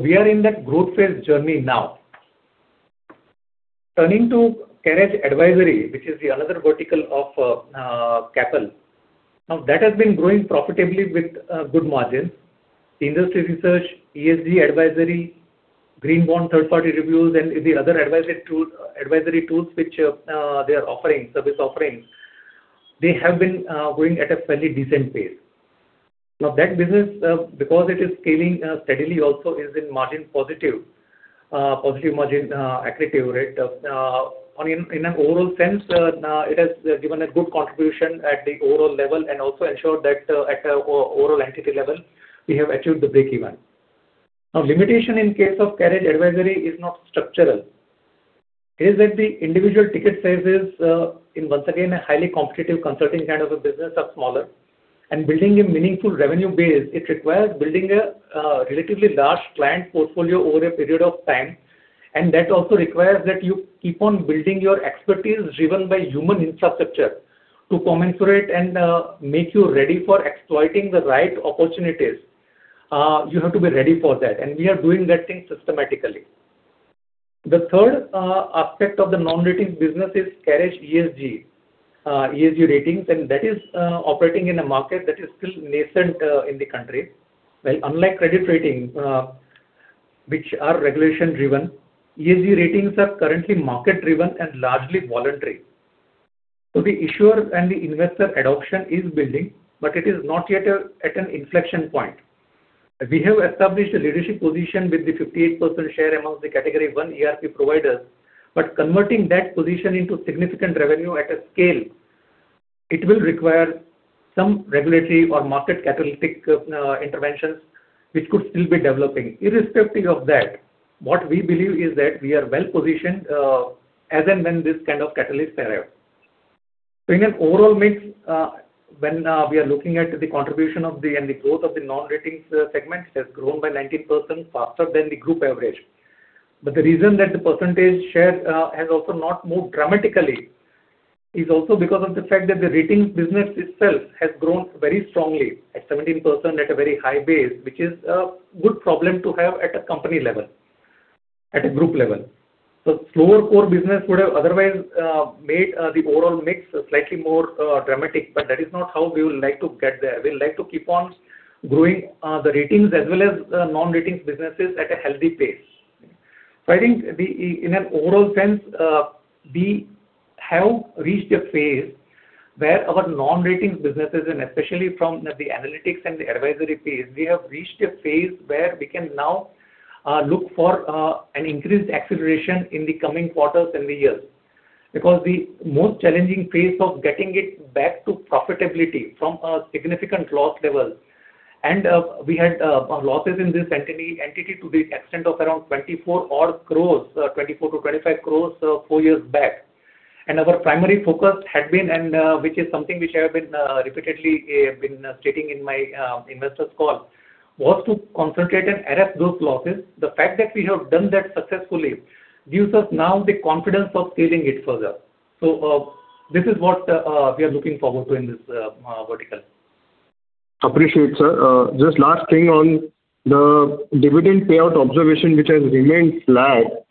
We are in that growth phase journey now. Turning to CareEdge Advisory, which is the another vertical of CAAPL. That has been growing profitably with good margins. Industry research, ESG advisory, green bond third party reviews, and the other advisory tools which they are offering, service offerings. They have been growing at a fairly decent pace. That business, because it is scaling steadily also is in positive margin accretive rate. In an overall sense, it has given a good contribution at the overall level and also ensured that at an overall entity level we have achieved the breakeven. Now, limitation in case of CareEdge Advisory is not structural. It is that the individual ticket sizes, in once again a highly competitive consulting kind of a business are smaller. Building a meaningful revenue base, it requires building a relatively large client portfolio over a period of time. That also requires that you keep on building your expertise driven by human infrastructure to commensurate and make you ready for exploiting the right opportunities. You have to be ready for that, and we are doing that thing systematically. The third aspect of the non-ratings business is CareEdge ESG ratings, and that is operating in a market that is still nascent in the country. Well, unlike credit rating, which are regulation driven, ESG ratings are currently market driven and largely voluntary. The issuer and the investor adoption is building, but it is not yet at an inflection point. We have established a leadership position with the 58% share amongst the category 1 ERP providers. Converting that position into significant revenue at a scale, it will require some regulatory or market catalytic interventions which could still be developing. Irrespective of that, what we believe is that we are well-positioned as and when this kind of catalyst arrive. In an overall mix, when we are looking at the contribution of the and the growth of the non-ratings segment has grown by 19% faster than the group average. The reason that the percentage share has also not moved dramatically is also because of the fact that the ratings business itself has grown very strongly at 17% at a very high base, which is a good problem to have at a company level, at a group level. Slower core business would have otherwise made the overall mix slightly more dramatic, but that is not how we would like to get there. We would like to keep on growing the ratings as well as non-ratings businesses at a healthy pace. I think in an overall sense, we have reached a phase where our non-ratings businesses, and especially from the analytics and the advisory phase, we have reached a phase where we can now look for an increased acceleration in the coming quarters and the years. The most challenging phase of getting it back to profitability from a significant loss level. We had losses in this entity to the extent of around 24 odd crores, 24-25 crores, four years back. Our primary focus had been and which is something which I have been repeatedly been stating in my investors call, was to concentrate and arrest those losses. The fact that we have done that successfully gives us now the confidence of scaling it further. This is what we are looking forward to in this vertical. Appreciate, sir. Just last thing on the dividend payout observation which has remained flat.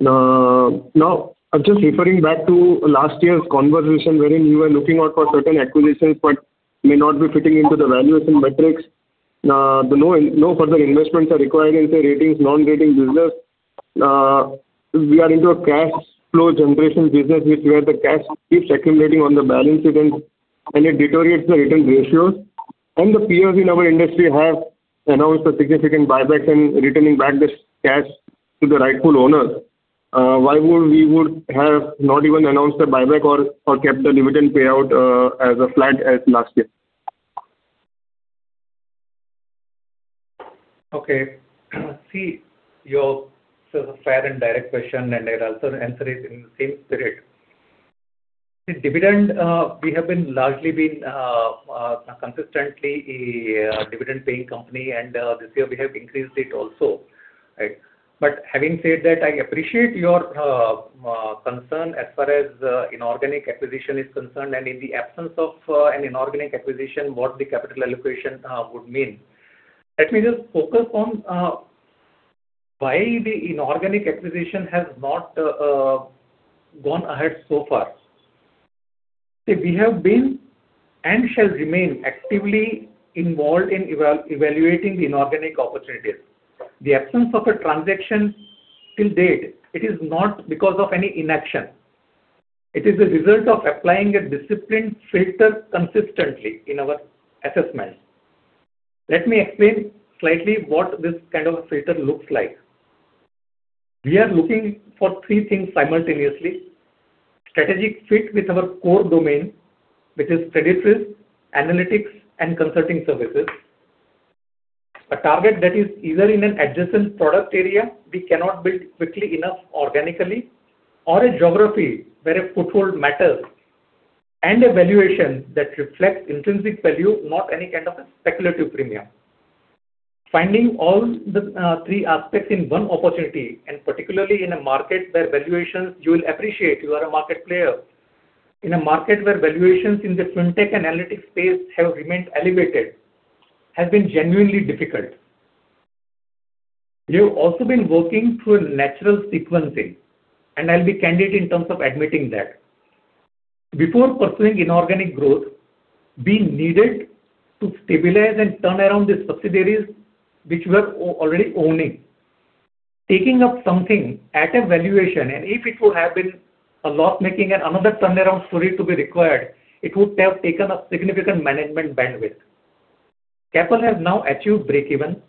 Now I'm just referring back to last year's conversation wherein you were looking out for certain acquisitions but may not be fitting into the valuation metrics. No, no further investments are required in say ratings, non-ratings business. We are into a cash flow generation business which where the cash keeps accumulating on the balance sheet and it deteriorates the return ratios. The peers in our industry have announced a significant buyback and returning back this cash to the rightful owners. Why would we would have not even announced a buyback or kept the dividend payout as a flat as last year? Okay. sir, fair and direct question, and I'll also answer it in the same spirit. The dividend, we have been largely consistently a dividend paying company, and this year we have increased it also. Right. Having said that, I appreciate your concern as far as inorganic acquisition is concerned, and in the absence of an inorganic acquisition, what the capital allocation would mean. Let me just focus on why the inorganic acquisition has not gone ahead so far. We have been and shall remain actively involved in evaluating the inorganic opportunities. The absence of a transaction till date, it is not because of any inaction. It is the result of applying a disciplined filter consistently in our assessment. Let me explain slightly what this kind of a filter looks like. We are looking for three things simultaneously. Strategic fit with our core domain, which is credit risk, analytics, and consulting services. A target that is either in an adjacent product area we cannot build quickly enough organically or a geography where a foothold matters and a valuation that reflects intrinsic value, not any kind of a speculative premium. Finding all the three aspects in one opportunity, and particularly in a market where valuations you will appreciate you are a market player. In a market where valuations in the FinTech analytics space have remained elevated has been genuinely difficult. We have also been working through a natural sequencing, and I'll be candid in terms of admitting that. Before pursuing inorganic growth, we needed to stabilize and turn around these subsidiaries which we are already owning. Taking up something at a valuation, and if it would have been a loss-making and another turnaround story to be required, it would have taken up significant management bandwidth. CAAPL has now achieved breakeven.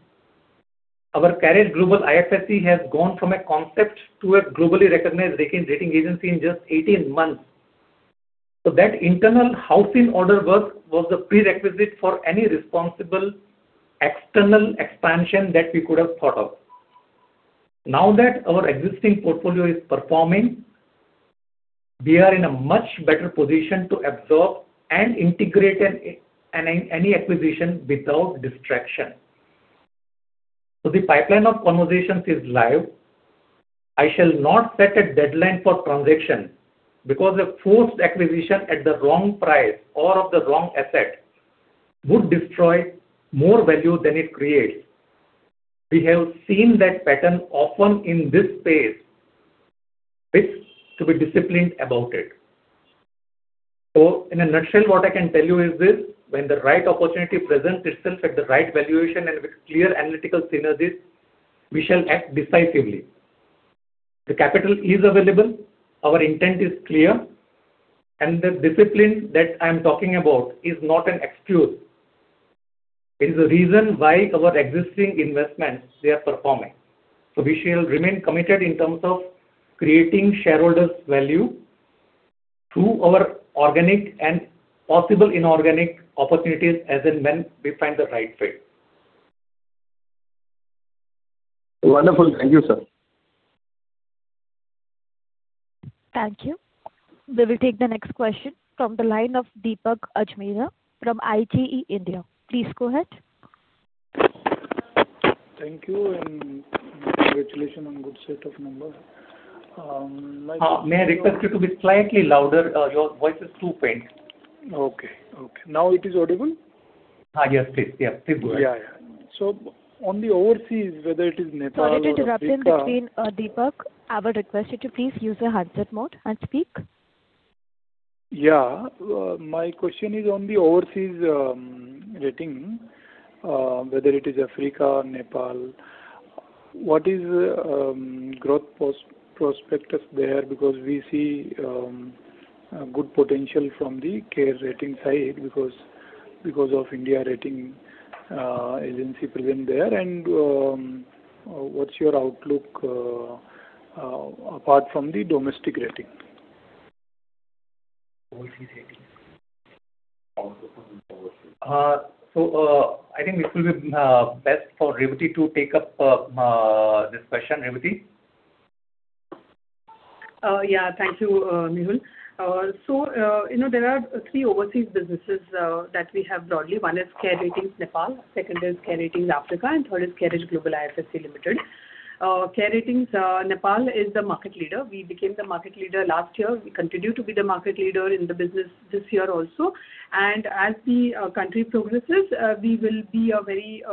Our CareEdge Global IFSC has gone from a concept to a globally recognized ranking rating agency in just 18 months. That internal house in order work was the prerequisite for any responsible external expansion that we could have thought of. Now that our existing portfolio is performing, we are in a much better position to absorb and integrate any acquisition without distraction. The pipeline of conversations is live. I shall not set a deadline for transaction because a forced acquisition at the wrong price or of the wrong asset would destroy more value than it creates. We have seen that pattern often in this space, which to be disciplined about it. In a nutshell, what I can tell you is this. When the right opportunity presents itself at the right valuation and with clear analytical synergies, we shall act decisively. The capital is available, our intent is clear, and the discipline that I'm talking about is not an excuse. It is a reason why our existing investments, they are performing. We shall remain committed in terms of creating shareholders value through our organic and possible inorganic opportunities as and when we find the right fit. Wonderful. Thank you, sir. Thank you. We will take the next question from the line of Deepak Ajmera from IGE India. Please go ahead. Thank you and congratulations on good set of numbers. May I request you to be slightly louder? Your voice is too faint. Okay. Okay. Now it is audible? Yes, please. Yeah, please go ahead. Yeah, yeah. On the overseas, whether it is Nepal or Africa- Sorry to interrupt in between, Deepak. I would request you to please use the handset mode and speak. Yeah. My question is on the overseas rating, whether it is Africa or Nepal. What is growth prospectus there? Because we see good potential from the CARE Ratings side because of India rating agency present there. What's your outlook apart from the domestic rating? Overseas rating. I think this will be best for Revati to take up this question. Revati. Yeah. Thank you, Mehul. You know, there are three overseas businesses that we have broadly. One is CARE Ratings Nepal, second is CARE Ratings Africa, and third is CareEdge Global IFSC Limited. CARE Ratings Nepal is the market leader. We became the market leader last year. We continue to be the market leader in the business this year also. As the country progresses, we will be a very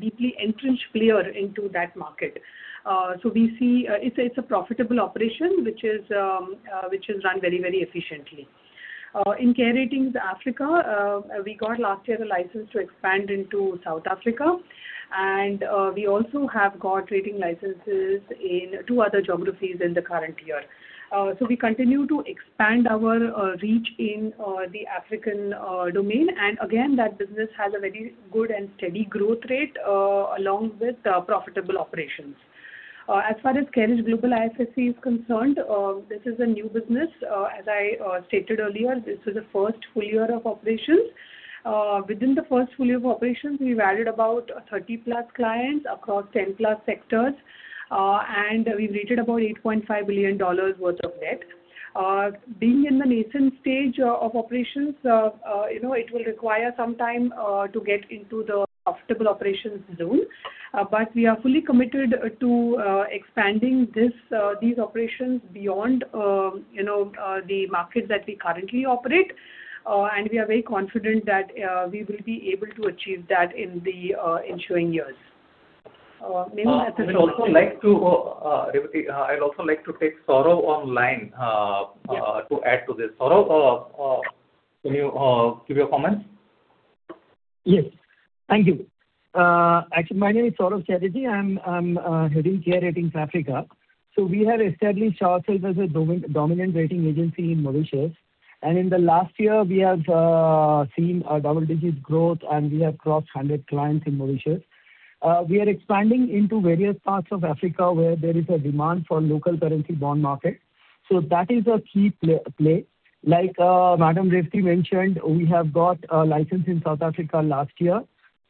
deeply entrenched player into that market. We see it's a profitable operation, which is run very, very efficiently. In CARE Ratings Africa, we got last year a license to expand into South Africa and we also have got rating licenses in two other geographies in the current year. We continue to expand our reach in the African domain. Again, that business has a very good and steady growth rate along with profitable operations. As far as CareEdge Global IFSC is concerned, this is a new business. As I stated earlier, this is the first full year of operations. Within the first full year of operations, we've added about 30+ clients across 10+ sectors, and we rated about $8.5 billion worth of debt. Being in the nascent stage of operations, you know, it will require some time to get into the profitable operations zone. We are fully committed to expanding this, these operations beyond, you know, the markets that we currently operate. We are very confident that, we will be able to achieve that in the ensuing years. I would also like to, Revati, I'd also like to take Saurav online, to add to this. Saurav, can you give your comments? Yes. Thank you. Actually, my name is Saurav Chatterjee. I'm heading CARE Ratings Africa. We have established ourselves as a dominant rating agency in Mauritius. And in the last year, we have seen a double-digit growth, and we have crossed 100 clients in Mauritius. We are expanding into various parts of Africa where there is a demand for local currency bond market. That is a key play. Like, Madam Revati mentioned, we have got a license in South Africa last year,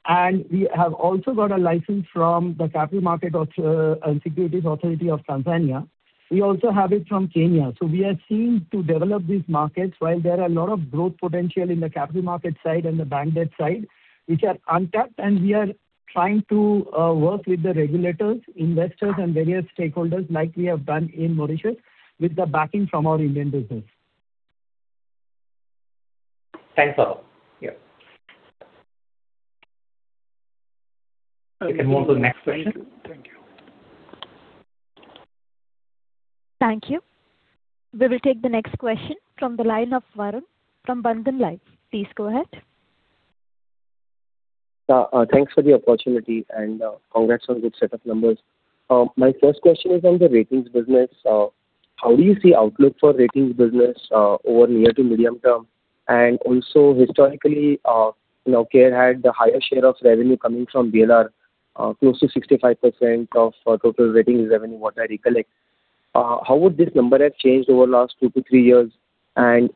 and we have also got a license from the Capital Markets and Securities Authority of Tanzania. We also have it from Kenya. We are seeing to develop these markets while there are a lot of growth potential in the capital market side and the bank debt side which are untapped. We are trying to work with the regulators, investors, and various stakeholders like we have done in Mauritius with the backing from our Indian business. Thanks, Saurav. Yeah. Okay. We can move to the next question. Thank you. Thank you. Thank you. We will take the next question from the line of Varun from Bandhan Life. Please go ahead. Thanks for the opportunity and congrats on good set of numbers. My first question is on the ratings business. How do you see outlook for ratings business over near to medium term? Also historically, you know, CARE Ratings had the highest share of revenue coming from BLR, close to 65% of total ratings revenue, what I recollect. How would this number have changed over the last two to three years?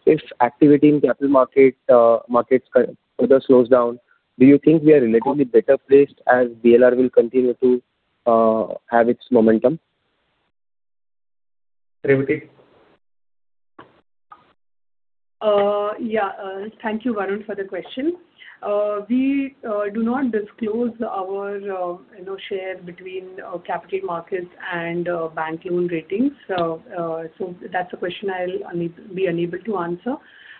If activity in capital markets further slows down, do you think we are relatively better placed as BLR will continue to have its momentum? Revati. Thank you, Varun, for the question. We do not disclose our, you know, share between our capital markets and bank loan ratings. That's a question I'll be unable to answer.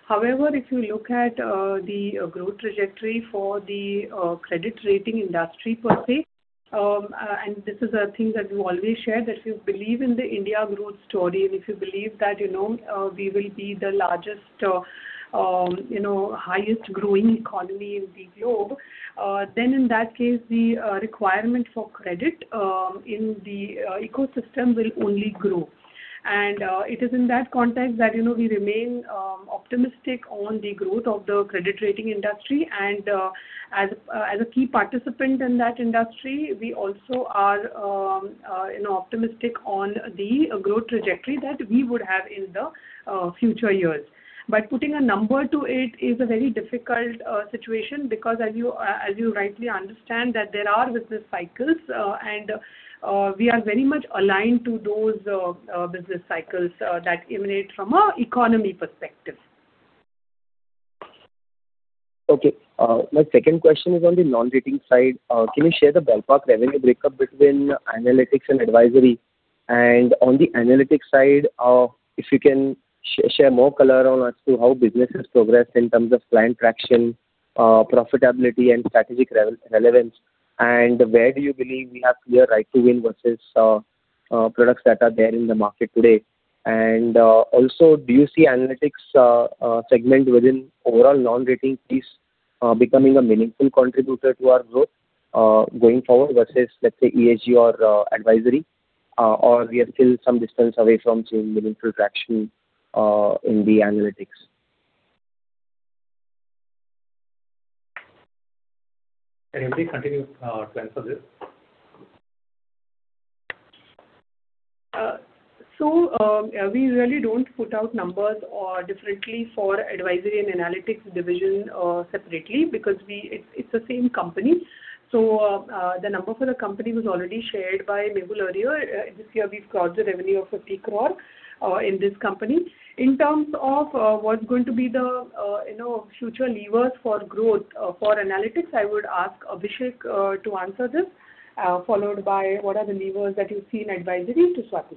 However, if you look at the growth trajectory for the credit rating industry per se, this is a thing that we always share that we believe in the India growth story. If you believe that, you know, we will be the largest, you know, highest growing economy in the globe, then in that case the requirement for credit in the ecosystem will only grow. It is in that context that, you know, we remain optimistic on the growth of the credit rating industry. As a key participant in that industry, we also are, you know, optimistic on the growth trajectory that we would have in the future years. Putting a number to it is a very difficult situation because as you rightly understand that there are business cycles and we are very much aligned to those business cycles that emanate from an economy perspective. Okay. My second question is on the non-rating side. Can you share the ballpark revenue breakup between Analytics and Advisory? On the Analytics side, if you can share more color on as to how business has progressed in terms of client traction, profitability, and strategic relevance, and where do you believe we have clear right to win versus products that are there in the market today. Also, do you see Analytics segment within overall non-rating fees becoming a meaningful contributor to our growth going forward versus, let's say, ESG or Advisory, or we are still some distance away from seeing meaningful traction in the Analytics? Can Revati continue to answer this? We really don't put out numbers differently for advisory and analytics division separately because it's the same company. The number for the company was already shared by Mehul earlier. This year we've crossed the revenue of 50 crore in this company. In terms of what's going to be the, you know, future levers for growth for analytics, I would ask Abhisheik Vishwakarma to answer this, followed by what are the levers that you see in advisory to Swati.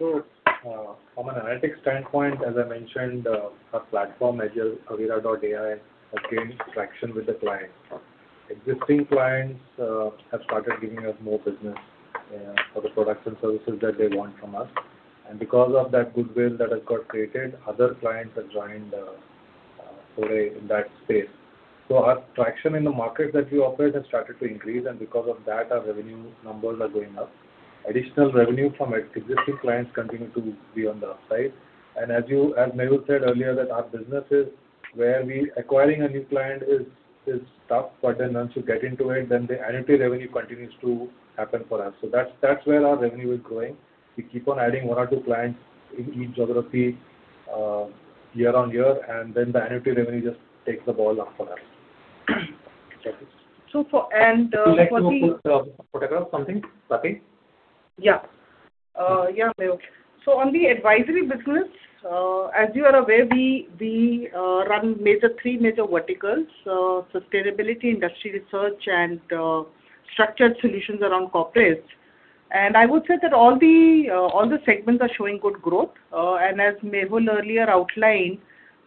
From an analytics standpoint, as I mentioned, our platform, Agile Avira.ai, has gained traction with the clients. Existing clients have started giving us more business for the products and services that they want from us. Because of that goodwill that has got created, other clients have joined Foray in that space. Our traction in the market that we operate has started to increase, and because of that our revenue numbers are going up. Additional revenue from existing clients continue to be on the upside. As Mehul said earlier that our business is where we acquiring a new client is tough, but then once you get into it, then the annuity revenue continues to happen for us. That's where our revenue is growing. We keep on adding one or two clients in each geography, year-on-year, and then the annuity revenue just takes the ball up for us. So for-- And, uh, for the- Would you like to put, photograph something, Swati? Yeah, Mehul. On the advisory business, as you are aware, we run three major verticals: sustainability, industry research and structured solutions around corporates. I would say that all the segments are showing good growth. As Mehul earlier outlined,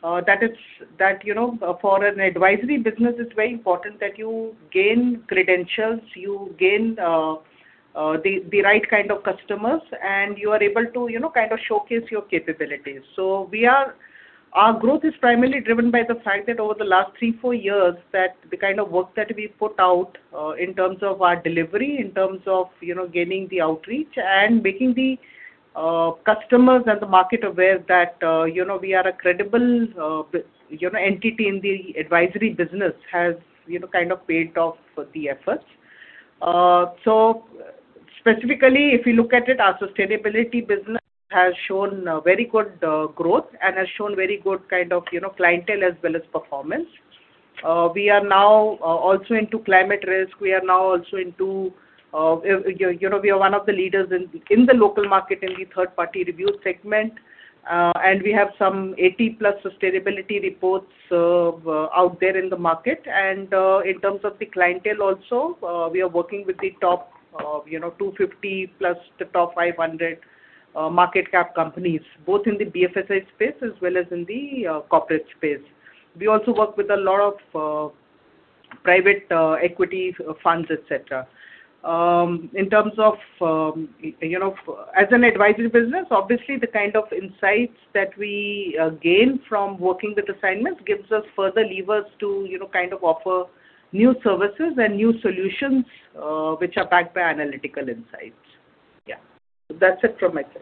that, you know, for an advisory business it's very important that you gain credentials, you gain the right kind of customers and you are able to, you know, kind of showcase your capabilities. Our growth is primarily driven by the fact that over the last three, four years, that the kind of work that we put out in terms of our delivery, in terms of, you know, gaining the outreach and making the customers and the market aware that, you know, we are a credible, you know, entity in the advisory business has, you know, kind of paid off for the efforts. Specifically, if you look at it, our sustainability business has shown very good growth and has shown very good kind of, you know, clientele as well as performance. We are now also into climate risk. We are now also into, you know, we are one of the leaders in the local market in the third party review segment. We have some 80+ sustainability reports out there in the market. In terms of the clientele also, we are working with the top, you know, 250 + the top 500 market cap companies, both in the BFSI space as well as in the corporate space. We also work with a lot of private equity funds, et cetera. In terms of, you know, as an advisory business, obviously the kind of insights that we gain from working with assignments gives us further levers to, you know, kind of offer new services and new solutions, which are backed by analytical insights. Yeah. That's it from my side.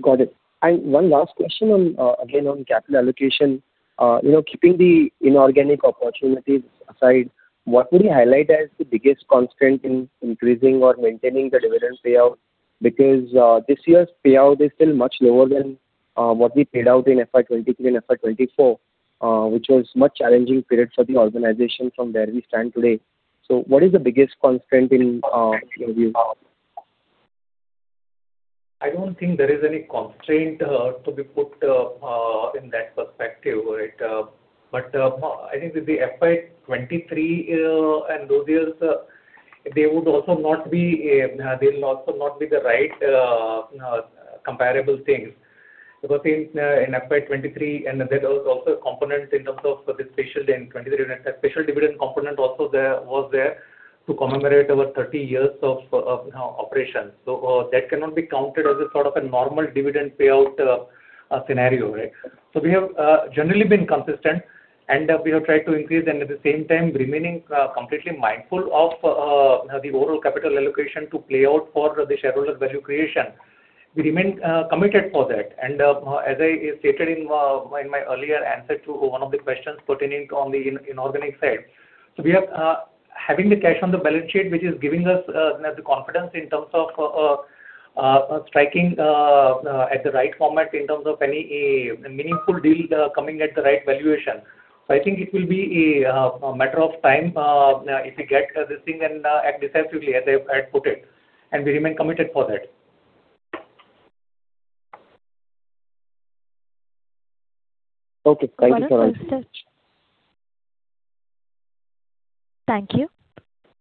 Got it. One last question on, again, on capital allocation. You know, keeping the inorganic opportunities aside, what would you highlight as the biggest constraint in increasing or maintaining the dividend payout? Because, this year's payout is still much lower than, what we paid out in FY 2023 and FY 2024, which was much challenging period for the organization from where we stand today. What is the biggest constraint in your view? I don't think there is any constraint to be put in that perspective, right? I think with the FY 2023 and those years, they'll also not be the right comparable things. Because in FY 2023, and there was also components in terms of the special 2023, special dividend component also there was there to commemorate our 30 years of operations. That cannot be counted as a sort of a normal dividend payout scenario, right? We have generally been consistent, and we have tried to increase and at the same time remaining completely mindful of the overall capital allocation to play out for the shareholder value creation. We remain committed for that. As I stated in my earlier answer to one of the questions pertaining on the inorganic side. We are having the cash on the balance sheet, which is giving us the confidence in terms of striking at the right format in terms of any meaningful deal coming at the right valuation. I think it will be a matter of time, if we get this thing and act decisively as I put it, and we remain committed for that. Okay. Thank you so much. Thank you.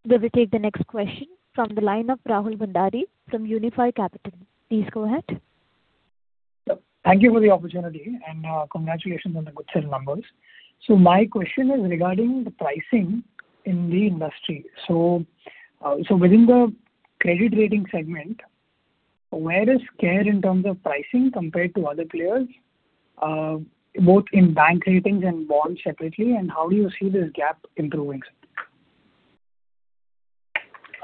We will take the next question from the line of Rahul Bhandari from Unifi Capital. Please go ahead. Thank you for the opportunity and congratulations on the good set of numbers. My question is regarding the pricing in the industry. Within the credit rating segment, where is CARE in terms of pricing compared to other players, both in bank ratings and bonds separately, and how do you see this gap improving?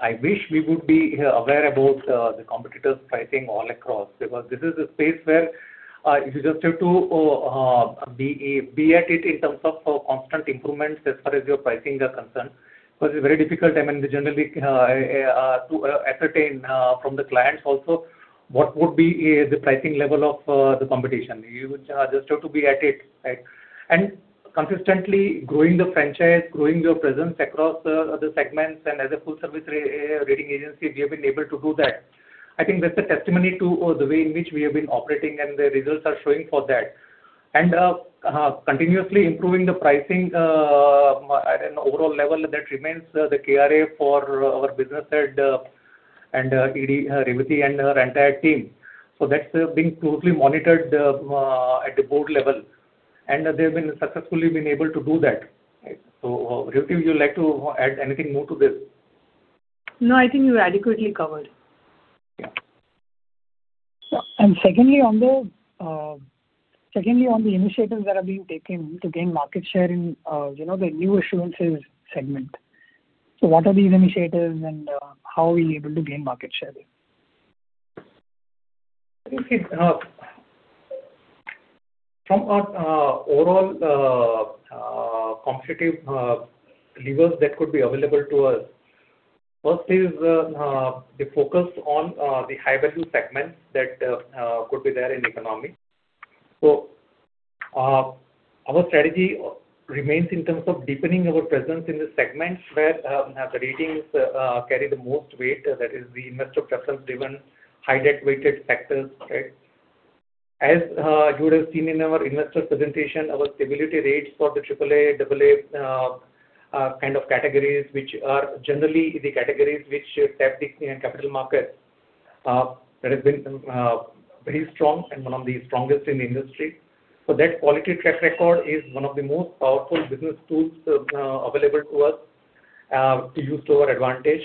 I wish we would be aware about the competitors' pricing all across, because this is a space where you just have to be at it in terms of constant improvements as far as your pricing are concerned. It's very difficult, I mean, generally, to ascertain from the clients also what would be the pricing level of the competition. You just have to be at it, right? Consistently growing the franchise, growing your presence across the segments and as a full service rating agency, we have been able to do that. I think that's a testimony to the way in which we have been operating and the results are showing for that. Continuously improving the pricing at an overall level that remains the KRA for our business head and ED, Revati and her entire team. That's being closely monitored at the board level. They've been successfully been able to do that. Revati, would you like to add anything more to this? No, I think you adequately covered. Yeah. Secondly, on the initiatives that are being taken to gain market share in, you know, the new assurances segment, what are these initiatives and how are we able to gain market share there? From our overall competitive levers that could be available to us, the focus on the high value segments that could be there in economy. Our strategy remains in terms of deepening our presence in the segments where the ratings carry the most weight, that is the investor preference driven high debt weighted sectors, right? As you would have seen in our investor presentation, our stability rates for the AAA, AA kind of categories, which are generally the categories which tap the capital market, that has been very strong and one of the strongest in the industry. That quality track record is one of the most powerful business tools available to us to use to our advantage.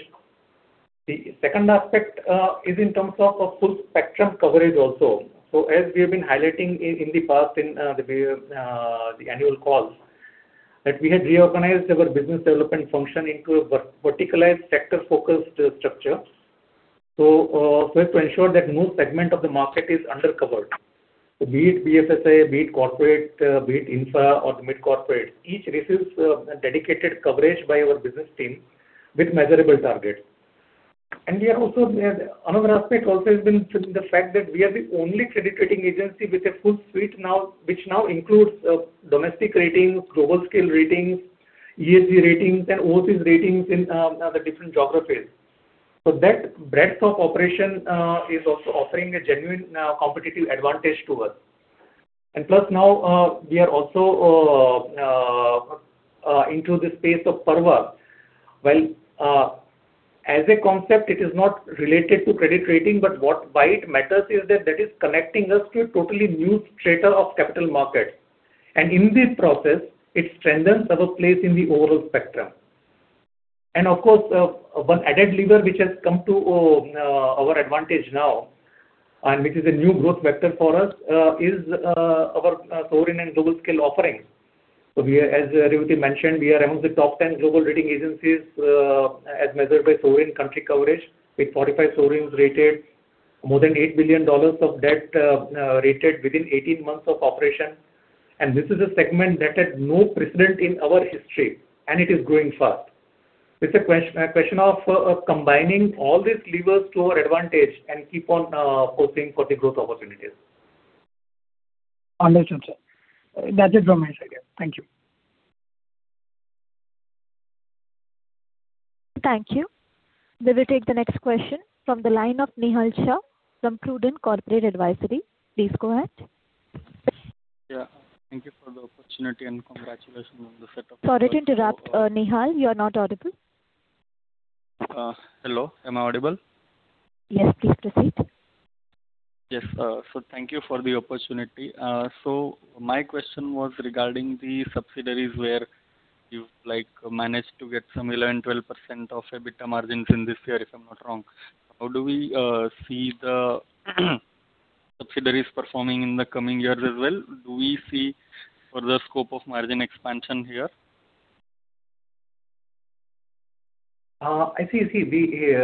The second aspect is in terms of a full spectrum coverage also. As we have been highlighting in the past in the annual calls that we have reorganized our business development function into a verticalized sector-focused structure. As to ensure that no segment of the market is undercovered. Be it BFSI, be it corporate, be it infra or mid-corporate, each receives a dedicated coverage by our business team with measurable targets. Another aspect also has been the fact that we are the only credit rating agency with a full suite now, which now includes domestic ratings, global scale ratings, ESG ratings, and overseas ratings in the different geographies. That breadth of operation is also offering a genuine competitive advantage to us. Plus now, we are also into the space of PaRRVA. While as a concept it is not related to credit rating, but why it matters is that that is connecting us to a totally new strata of capital market. In this process, it strengthens our place in the overall spectrum. Of course, one added lever which has come to our advantage now, and which is a new growth vector for us, is our sovereign and global scale offerings. As Revati mentioned, we are amongst the top 10 global rating agencies, as measured by sovereign country coverage, with 45 sovereigns rated, more than $8 billion of debt rated within 18 months of operation. This is a segment that had no precedent in our history, and it is growing fast. It's a question of combining all these levers to our advantage and keep on pushing for the growth opportunities. Understood, sir. That's it from my side, yeah. Thank you. Thank you. We will take the next question from the line of Nihal Shah from Prudent Corporate Advisory. Please go ahead. Yeah. Thank you for the opportunity, and congratulations. Sorry to interrupt, Nihal. You're not audible. Hello. Am I audible? Yes, please proceed. Yes. Thank you for the opportunity. My question was regarding the subsidiaries where you, like, managed to get some 11%, 12% of EBITDA margins in this year, if I'm not wrong. How do we see the subsidiaries performing in the coming years as well? Do we see further scope of margin expansion here? I see, I see. We.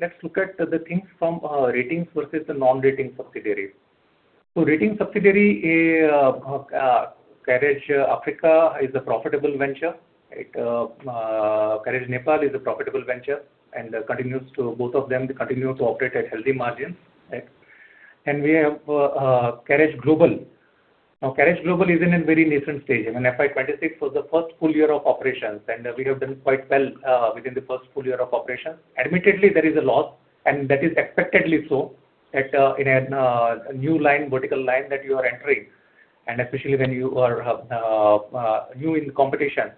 Let's look at the things from ratings versus the non-rating subsidiaries. Rating subsidiary, CareEdge Africa is a profitable venture, right? CareEdge Nepal is a profitable venture and both of them continue to operate at healthy margins, right? And we have CareEdge Global. Now CareEdge Global is in a very nascent stage. I mean, FY 2026 was the first full year of operations, and we have done quite well within the first full year of operations. Admittedly, there is a loss, and that is expectedly so at a, in a new line, vertical line that you are entering, and especially when you are new in competition.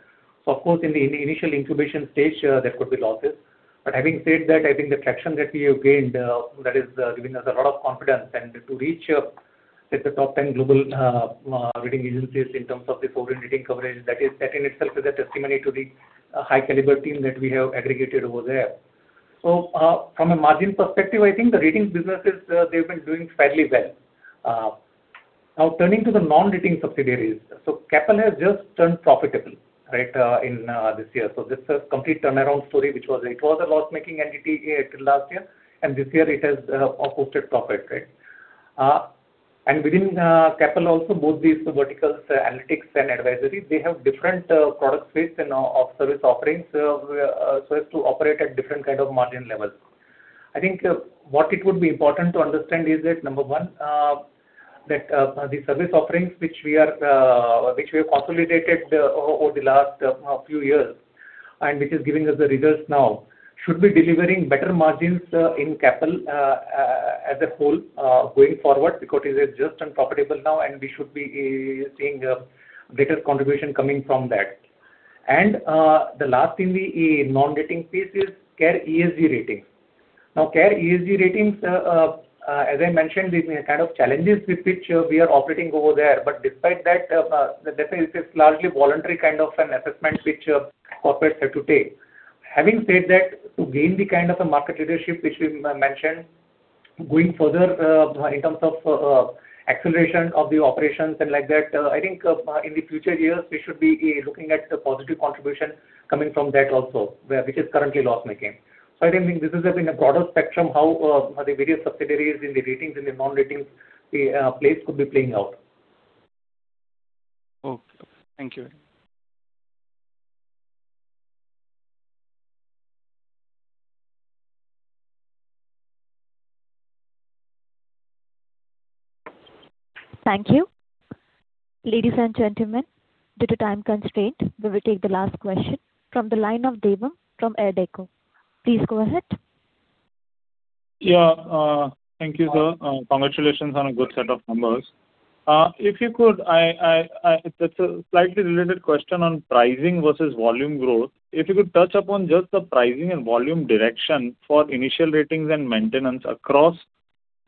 Of course, in the initial incubation stage, there could be losses. Having said that, I think the traction that we have gained, that is giving us a lot of confidence and to reach, say the top 10 global rating agencies in terms of the foreign rating coverage, that is, that in itself is a testimony to the high caliber team that we have aggregated over there. From a margin perspective, I think the ratings businesses, they've been doing fairly well. Now turning to the non-rating subsidiaries. CAAPL has just turned profitable, right, in this year. This is a complete turnaround story it was a loss-making entity till last year, and this year it has posted profit, right? Within CAAPL also both these verticals, analytics and advisory, they have different product suites and off service offerings so as to operate at different kind of margin levels. I think what it would be important to understand is that, number one, that the service offerings which we are which we have consolidated over the last few years and which is giving us the results now, should be delivering better margins in CAAPL as a whole going forward because it has just turned profitable now and we should be seeing a greater contribution coming from that. The last thing the non-rating piece is CARE ESG Ratings. CARE ESG Ratings, as I mentioned, there's been kind of challenges with which we are operating over there. Despite that, the deficit is largely voluntary kind of an assessment which corporates have to take. Having said that, to gain the kind of a market leadership which we mentioned going further, in terms of acceleration of the operations and like that, I think, in the future years we should be looking at a positive contribution coming from that also, which is currently loss-making. I think this is, I mean, a broader spectrum how the various subsidiaries in the ratings and the non-ratings plays could be playing out. Okay. Thank you. Thank you. Ladies and gentlemen, due to time constraint, we will take the last question from the line of Devam from Ardeko. Please go ahead. Yeah. Thank you, sir. Congratulations on a good set of numbers. If you could, it's a slightly related question on pricing versus volume growth. If you could touch upon just the pricing and volume direction for initial ratings and maintenance across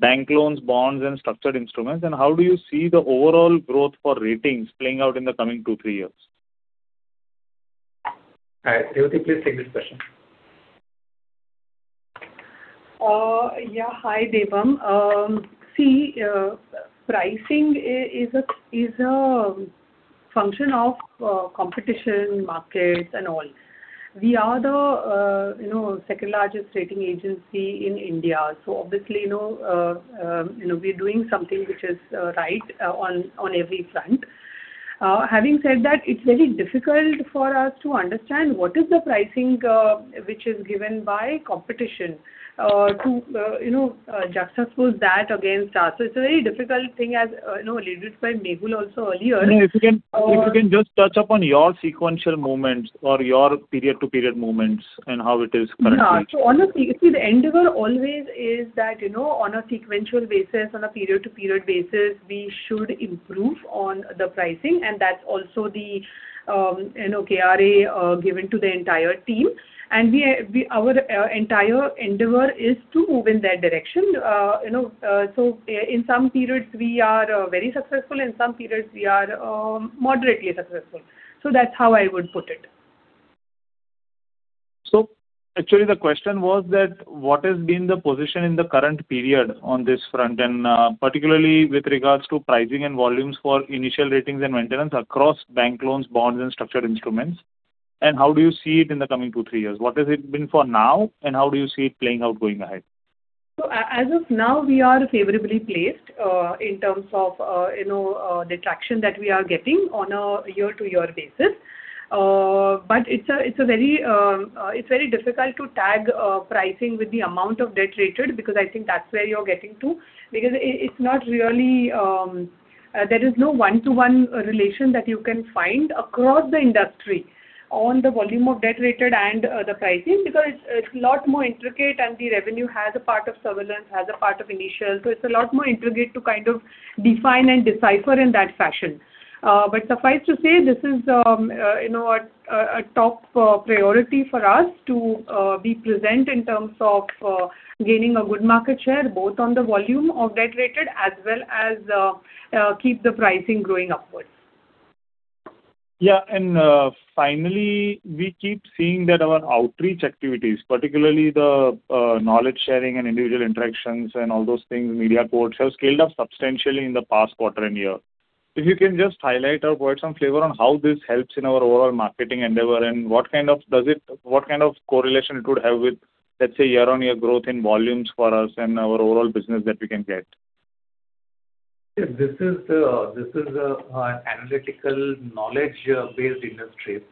bank loans, bonds, and structured instruments. How do you see the overall growth for ratings playing out in the coming two, three years? All right. Revati, please take this question. Yeah. Hi, Devam. See, pricing is a function of competition markets and all. We are the, you know, second largest rating agency in India. Obviously, you know, you know, we're doing something which is right on every front. Having said that, it's very difficult for us to understand what is the pricing which is given by competition to, you know, juxtapose that against us. It's a very difficult thing as, you know, alluded by Mehul also earlier. No, if you can just touch upon your sequential movements or your period-to-period movements and how it is currently. No. Honestly, you see the endeavor always is that, you know, on a sequential basis, on a period-to-period basis, we should improve on the pricing. That's also the, you know, KRA given to the entire team. We our entire endeavor is to move in that direction. You know, in some periods we are very successful, in some periods we are moderately successful. That's how I would put it. Actually the question was that what has been the position in the current period on this front and particularly with regards to pricing and volumes for initial ratings and maintenance across bank loans, bonds, and structured instruments, and how do you see it in the coming two, three years? What has it been for now, and how do you see it playing out going head? As of now, we are favorably placed in terms of the traction that we are getting on a year-to-year basis. It's a very difficult to tag pricing with the amount of debt rated because I think that's where you're getting to. It's not really, there is no one-to-one relation that you can find across the industry on the volume of debt rated and the pricing because it's a lot more intricate and the revenue has a part of surveillance, has a part of initial. It's a lot more intricate to kind of define and decipher in that fashion. Suffice to say this is, you know, a top priority for us to be present in terms of gaining a good market share, both on the volume of debt rated as well as keep the pricing growing upwards. Yeah. Finally, we keep seeing that our outreach activities, particularly the knowledge sharing and individual interactions and all those things, media quotes have scaled up substantially in the past quarter and year. If you can just highlight or provide some flavor on how this helps in our overall marketing endeavor and what kind of correlation it would have with, let's say, year-on-year growth in volumes for us and our overall business that we can get. This is an analytical knowledge based industry.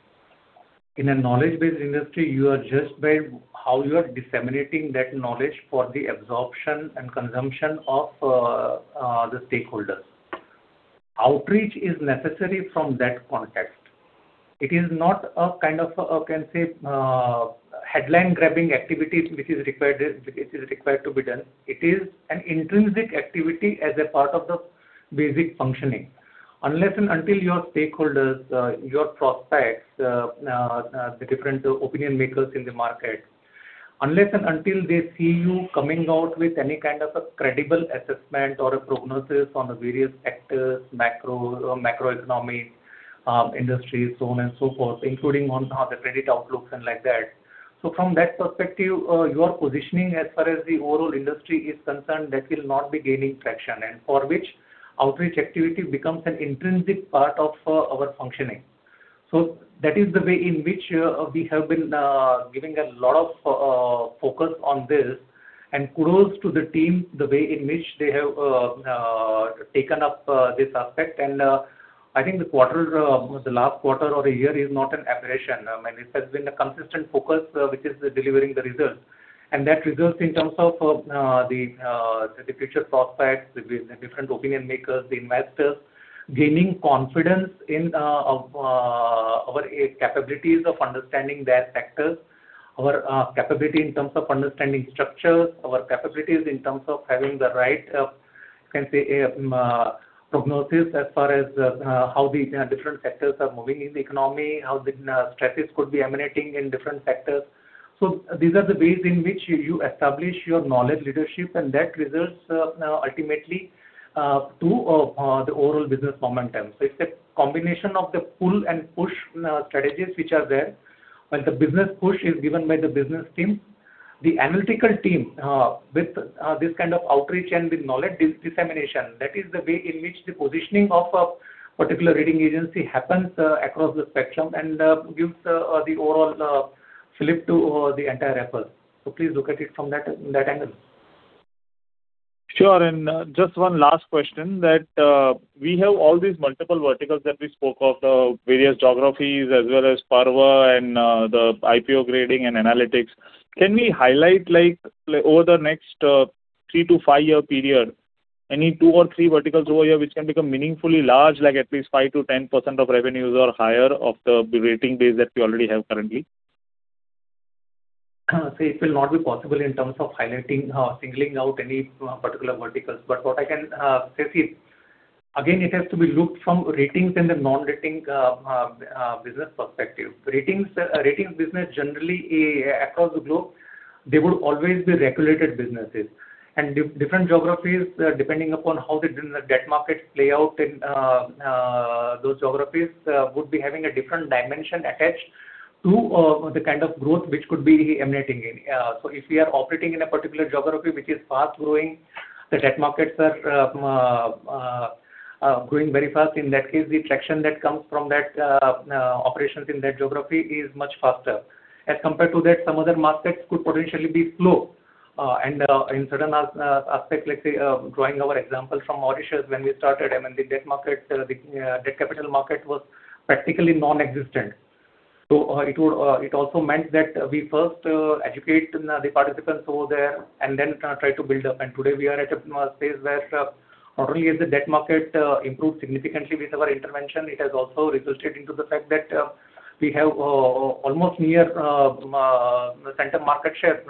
In a knowledge-based industry, you are just by how you are disseminating that knowledge for the absorption and consumption of the stakeholders. Outreach is necessary from that context. It is not a kind of, can say, headline grabbing activity which is required to be done. It is an intrinsic activity as a part of the basic functioning. Unless and until your stakeholders, your prospects, the different opinion makers in the market, unless and until they see you coming out with any kind of a credible assessment or a prognosis on the various sectors, macro, macroeconomics, industries, so on and so forth, including on the credit outlooks and like that. From that perspective, your positioning as far as the overall industry is concerned, that will not be gaining traction, and for which outreach activity becomes an intrinsic part of our functioning. That is the way in which we have been giving a lot of focus on this and kudos to the team, the way in which they have taken up this aspect. I think the quarter, the last quarter or a year is not an aberration. I mean, it has been a consistent focus, which is delivering the results. That results in terms of the future prospects with the different opinion makers, the investors gaining confidence in of our capabilities of understanding their sectors, our capability in terms of understanding structures, our capabilities in terms of having the right, can say, prognosis as far as how the different sectors are moving in the economy, how the stresses could be emanating in different sectors. These are the ways in which you establish your knowledge leadership, and that results ultimately to the overall business momentum. It's a combination of the pull and push strategies which are there. While the business push is given by the business team, the analytical team, with this kind of outreach and with knowledge dissemination, that is the way in which the positioning of a particular rating agency happens across the spectrum and gives the overall flip to the entire effort. Please look at it from that angle. Sure. Just one last question that, we have all these multiple verticals that we spoke of, the various geographies as well as PaRRVA and, the IPO grading and analytics. Can we highlight, like, over the next three to five-year period, any two or three verticals over here which can become meaningfully large, like at least 5%-10% of revenues or higher of the rating base that you already have currently? It will not be possible in terms of highlighting or singling out any particular verticals. What I can say, again, it has to be looked from ratings and the non-rating business perspective. Ratings business generally across the globe, they would always be regulated businesses. Different geographies, depending upon how the debt markets play out in those geographies, would be having a different dimension attached to the kind of growth which could be emanating in. If we are operating in a particular geography which is fast-growing, the debt markets are growing very fast. In that case, the traction that comes from that operations in that geography is much faster. As compared to that, some other markets could potentially be slow. In certain aspect, let's say, drawing our example from Mauritius when we started, I mean, the debt markets, the debt capital market was practically nonexistent. It would it also meant that we first educate the participants over there and then try to build up. Today we are at a phase where not only is the debt market improved significantly with our intervention, it has also resulted into the fact that we have almost near the center market share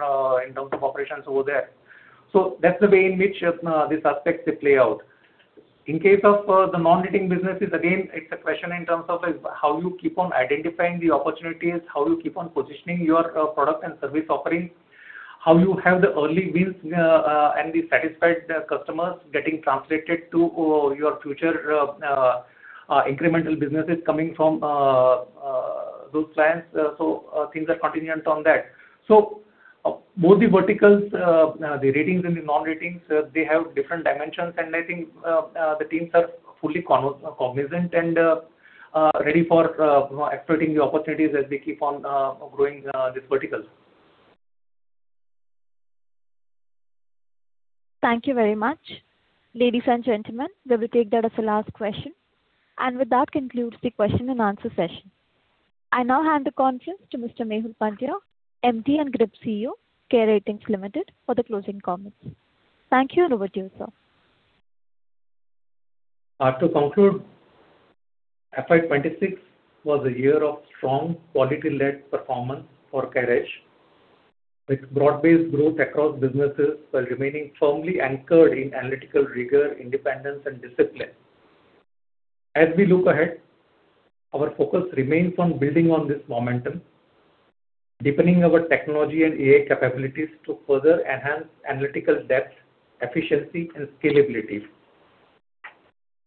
in terms of operations over there. That's the way in which these aspects they play out. In case of the non-rating businesses, again, it's a question in terms of is how you keep on identifying the opportunities, how you keep on positioning your product and service offerings, how you have the early wins and the satisfied customers getting translated to your future incremental businesses coming from those clients. Things are contingent on that. Both the verticals, the ratings and the non-ratings, they have different dimensions and I think the teams are fully cognizant and ready for, you know, exploiting the opportunities as we keep on growing these verticals. Thank you very much. Ladies and gentlemen, we will take that as the last question. With that concludes the question-and-answer session. I now hand the conference to Mr. Mehul Pandya, MD and Group CEO, CARE Ratings Limited, for the closing comments. Thank you and over to you, sir. To conclude, FY 2026 was a year of strong quality-led performance for CareEdge, with broad-based growth across businesses while remaining firmly anchored in analytical rigor, independence and discipline. As we look ahead, our focus remains on building on this momentum, deepening our technology and AI capabilities to further enhance analytical depth, efficiency and scalability.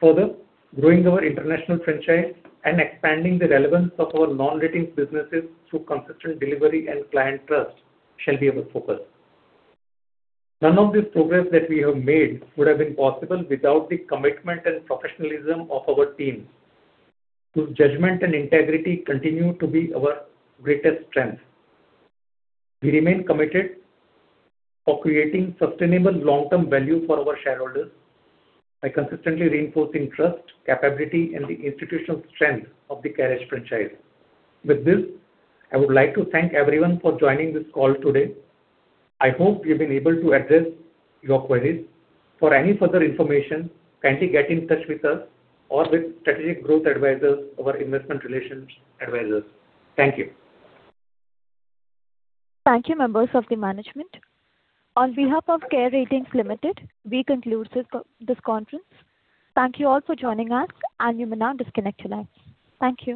Further, growing our international franchise and expanding the relevance of our non-ratings businesses through consistent delivery and client trust shall be our focus. None of this progress that we have made would have been possible without the commitment and professionalism of our team, whose judgment and integrity continue to be our greatest strength. We remain committed for creating sustainable long-term value for our shareholders by consistently reinforcing trust, capability and the institutional strength of the CareEdge franchise. With this, I would like to thank everyone for joining this call today. I hope we've been able to address your queries. For any further information, kindly get in touch with us or with Strategic Growth Advisors, our investment relations advisors. Thank you. Thank you, members of the management. On behalf of CARE Ratings Limited, we conclude this conference. Thank you all for joining us. You may now disconnect your lines. Thank you.